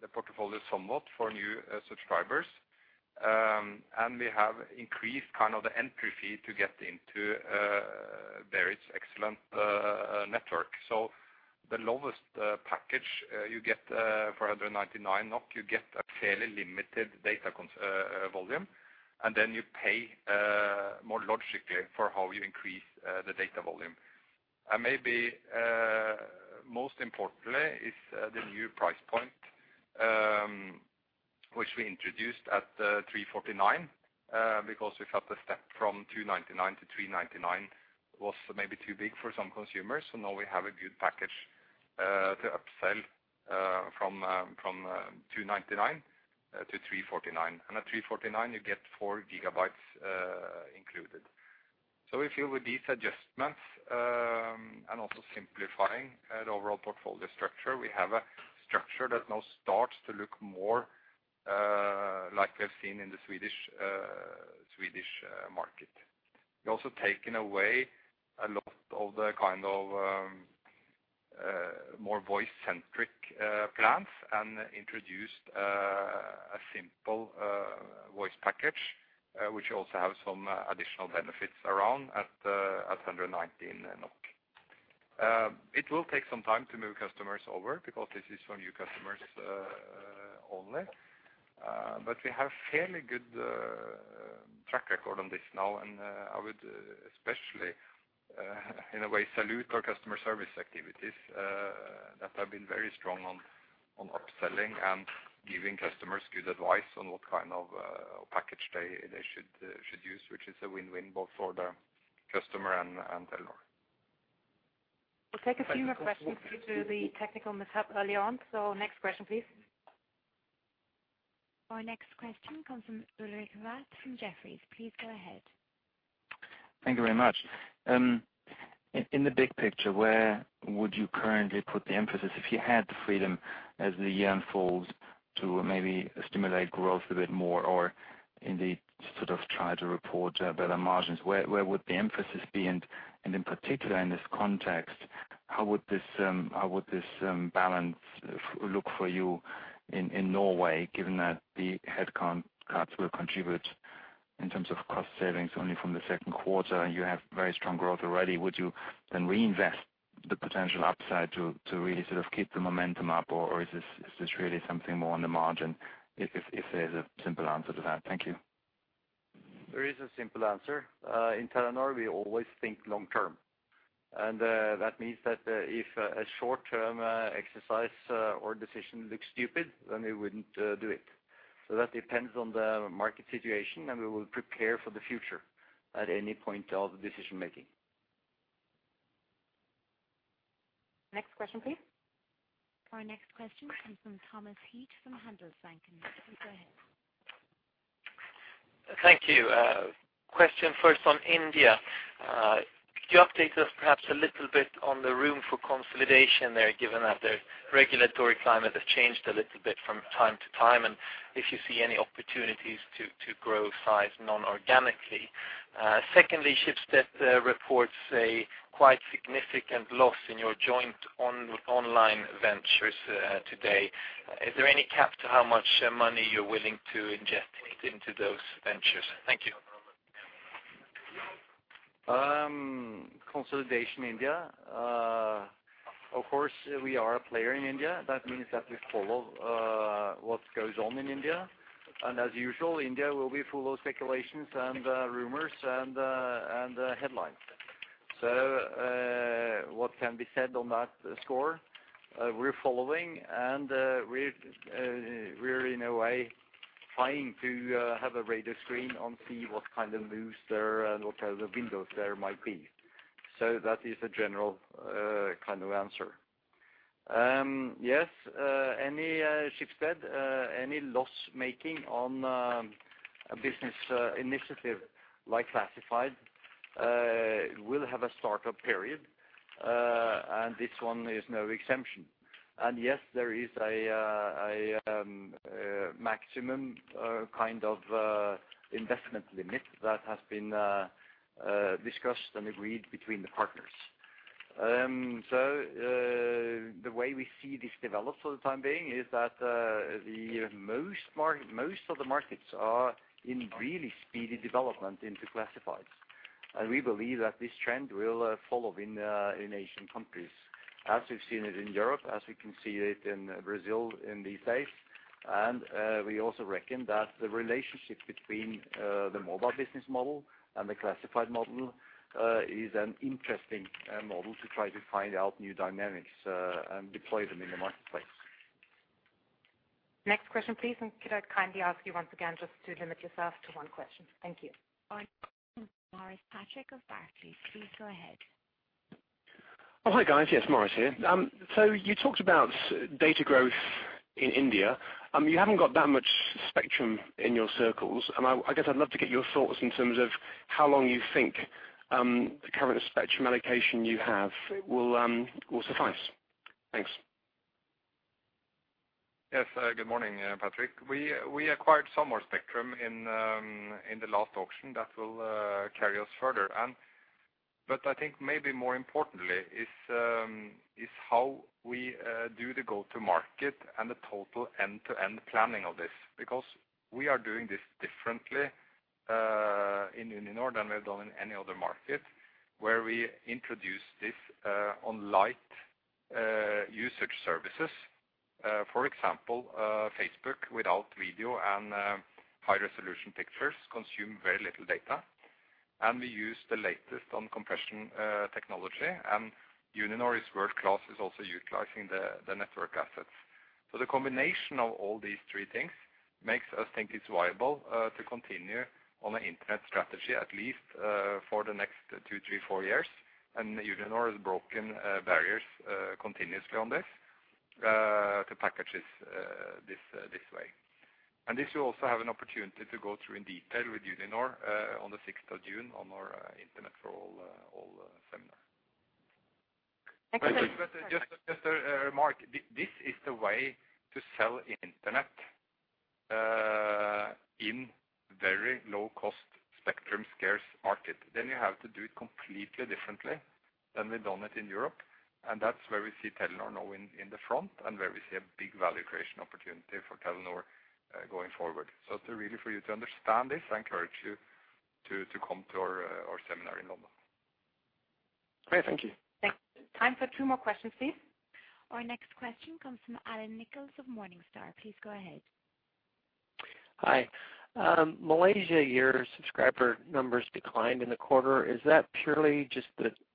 the portfolio somewhat for new subscribers, and we have increased kind of the entry fee to get into Berit's excellent network. So the lowest package you get for 199 NOK, you get a fairly limited data volume, and then you pay more logically for how you increase the data volume. And maybe, most importantly is, the new price point, which we introduced at 349, because we felt the step from 299 to 399 was maybe too big for some consumers. So now we have a good package, to upsell from 299 to 349. And at 349, you get 4 GB included. So we feel with these adjustments, and also simplifying the overall portfolio structure, we have a structure that now starts to look more like we've seen in the Swedish market. We've also taken away a lot of the kind of more voice-centric plans and introduced a simple voice package, which also have some additional benefits around at 119 NOK. It will take some time to move customers over, because this is for new customers only. But we have fairly good track record on this now, and I would especially, in a way, salute our customer service activities that have been very strong on upselling and giving customers good advice on what kind of package they should use, which is a win-win both for the customer and Telenor. We'll take a few more questions due to the technical mishap early on. So next question, please. Our next question comes from Ulrich Rathe from Jefferies. Please go ahead. Thank you very much. In the big picture, where would you currently put the emphasis if you had the freedom as the year unfolds, to maybe stimulate growth a bit more, or indeed, sort of try to report better margins? Where would the emphasis be? And in particular, in this context, how would this balance look for you in Norway, given that the headcount cuts will contribute in terms of cost savings only from the second quarter, and you have very strong growth already? Would you then reinvest the potential upside to really sort of keep the momentum up, or is this really something more on the margin? If there's a simple answer to that. Thank you. There is a simple answer. In Telenor, we always think long term, and that means that if a short-term exercise or decision looks stupid, then we wouldn't do it. So that depends on the market situation, and we will prepare for the future at any point of the decision-making. Next question, please. Our next question comes from Thomas Heath from Handelsbanken. Please go ahead. Thank you. Question first on India. Could you update us perhaps a little bit on the room for consolidation there, given that the regulatory climate has changed a little bit from time to time, and if you see any opportunities to grow size non-organically? Secondly, Schibsted reports a quite significant loss in your joint online ventures today. Is there any cap to how much money you're willing to inject into those ventures? Thank you. Consolidation India. Of course, we are a player in India. That means that we follow what goes on in India, and as usual, India will be full of speculations and rumors and headlines. So, what can be said on that score? We're following, and we're in a way trying to have a radar screen and see what kind of moves there are and what kind of windows there might be. So that is a general kind of answer. Yes, any Schibsted any loss-making on a business initiative like classified will have a start-up period, and this one is no exception. And yes, there is a maximum kind of investment limit that has been discussed and agreed between the partners. So, the way we see this develop for the time being is that the most of the markets are in really speedy development into classifieds, and we believe that this trend will follow in Asian countries, as we've seen it in Europe, as we can see it in Brazil these days. And we also reckon that the relationship between the mobile business model and the classified model is an interesting model to try to find out new dynamics and deploy them in the marketplace. Next question, please, and could I kindly ask you once again just to limit yourself to one question? Thank you. Our next Maurice Patrick of Barclays. Please go ahead. Oh, hi, guys. Yes, Maurice here. So you talked about data growth in India. You haven't got that much spectrum in your circles, and I guess I'd love to get your thoughts in terms of how long you think the current spectrum allocation you have will suffice. Thanks. Yes. Good morning, Patrick. We, we acquired some more spectrum in, in the last auction that will, carry us further. And, but I think maybe more importantly is, is how we, do the go-to-market and the total end-to-end planning of this, because we are doing this differently, in Uninor than we've done in any other market, where we introduce this, on light, usage services. For example, Facebook without video and, high-resolution pictures consume very little data, and we use the latest on compression, technology, and Uninor is world-class is also utilizing the, the network assets. So the combination of all these three things makes us think it's viable, to continue on an internet strategy, at least, for the next two, three, four years. Uninor has broken barriers continuously on this to package this way. This you'll also have an opportunity to go through in detail with Uninor on the sixth of June, on our Internet for All seminar. Thanks very much- Just a remark. This is the way to sell internet in very low-cost, spectrum-scarce market. Then you have to do it completely differently than we've done it in Europe, and that's where we see Telenor now in the front, and where we see a big value creation opportunity for Telenor going forward. So to really for you to understand this, I encourage you to-... to come to our seminar in London. Okay, thank you. Thanks. Time for two more questions, please. Our next question comes from Allan Nichols of Morningstar. Please go ahead. Hi. Malaysia, your subscriber numbers declined in the quarter. Is that purely just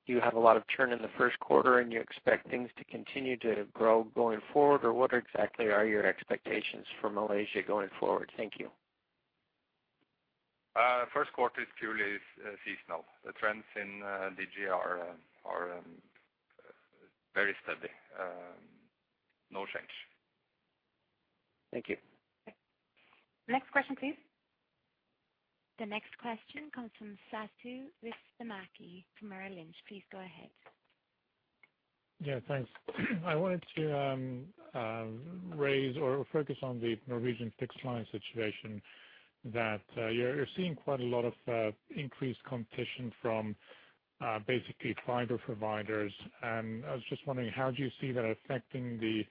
that you have a lot of churn in the first quarter, and you expect things to continue to grow going forward? Or what exactly are your expectations for Malaysia going forward? Thank you. First quarter is purely seasonal. The trends in Digi are very steady, no change. Thank you. Next question, please. The next question comes from Satu Ristimäki from Merrill Lynch. Please go ahead. Yeah, thanks. I wanted to raise or focus on the Norwegian fixed line situation, that you're seeing quite a lot of increased competition from basically fiber providers. And I was just wondering, how do you see that affecting the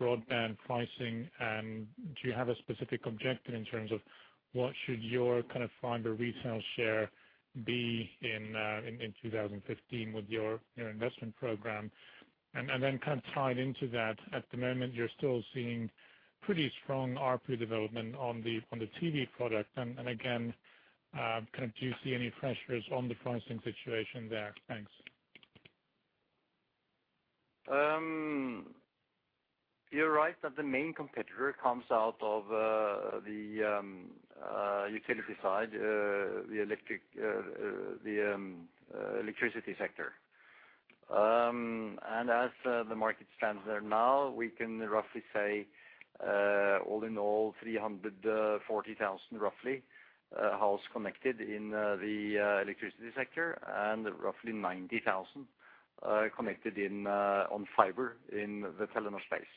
broadband pricing? And do you have a specific objective in terms of what should your kind of fiber retail share be in 2015 with your investment program? And then kind of tied into that, at the moment, you're still seeing pretty strong ARPU development on the TV product. And again, kind of, do you see any pressures on the pricing situation there? Thanks. You're right that the main competitor comes out of the utility side, the electricity sector. And as the market stands there now, we can roughly say, all in all, 340,000, roughly, houses connected in the electricity sector, and roughly 90,000 connected in on fiber in the Telenor space.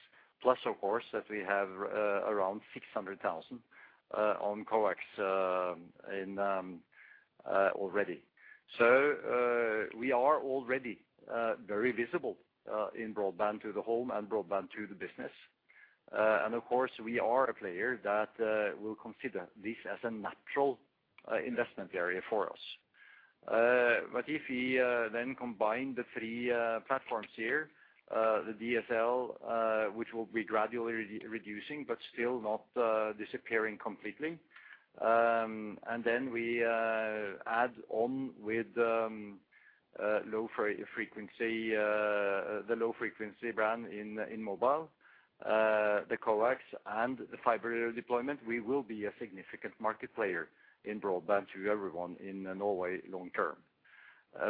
Plus, of course, that we have around 600,000 on coax in already. So, we are already very visible in broadband to the home and broadband to the business. And of course, we are a player that will consider this as a natural investment area for us. But if we then combine the three platforms here, the DSL, which will be gradually re-reducing, but still not disappearing completely. And then we add on with low frequency, the low-frequency brand in mobile, the coax and the fiber deployment, we will be a significant market player in broadband to everyone in Norway long term.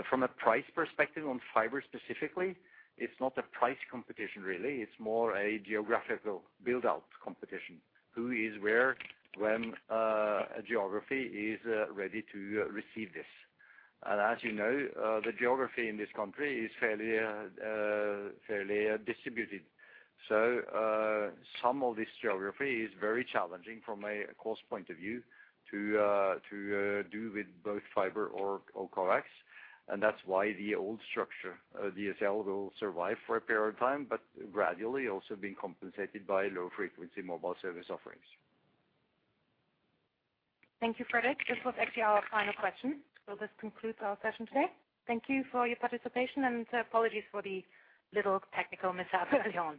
From a price perspective on fiber specifically, it's not a price competition really, it's more a geographical build-out competition. Who is where, when a geography is ready to receive this. And as you know, the geography in this country is fairly, fairly distributed. So, some of this geography is very challenging from a cost point of view to do with both fiber or coax, and that's why the old structure, DSL, will survive for a period of time, but gradually also being compensated by low-frequency mobile service offerings. Thank you, Fredrik. This was actually our final question. This concludes our session today. Thank you for your participation, and apologies for the little technical mishap at the on.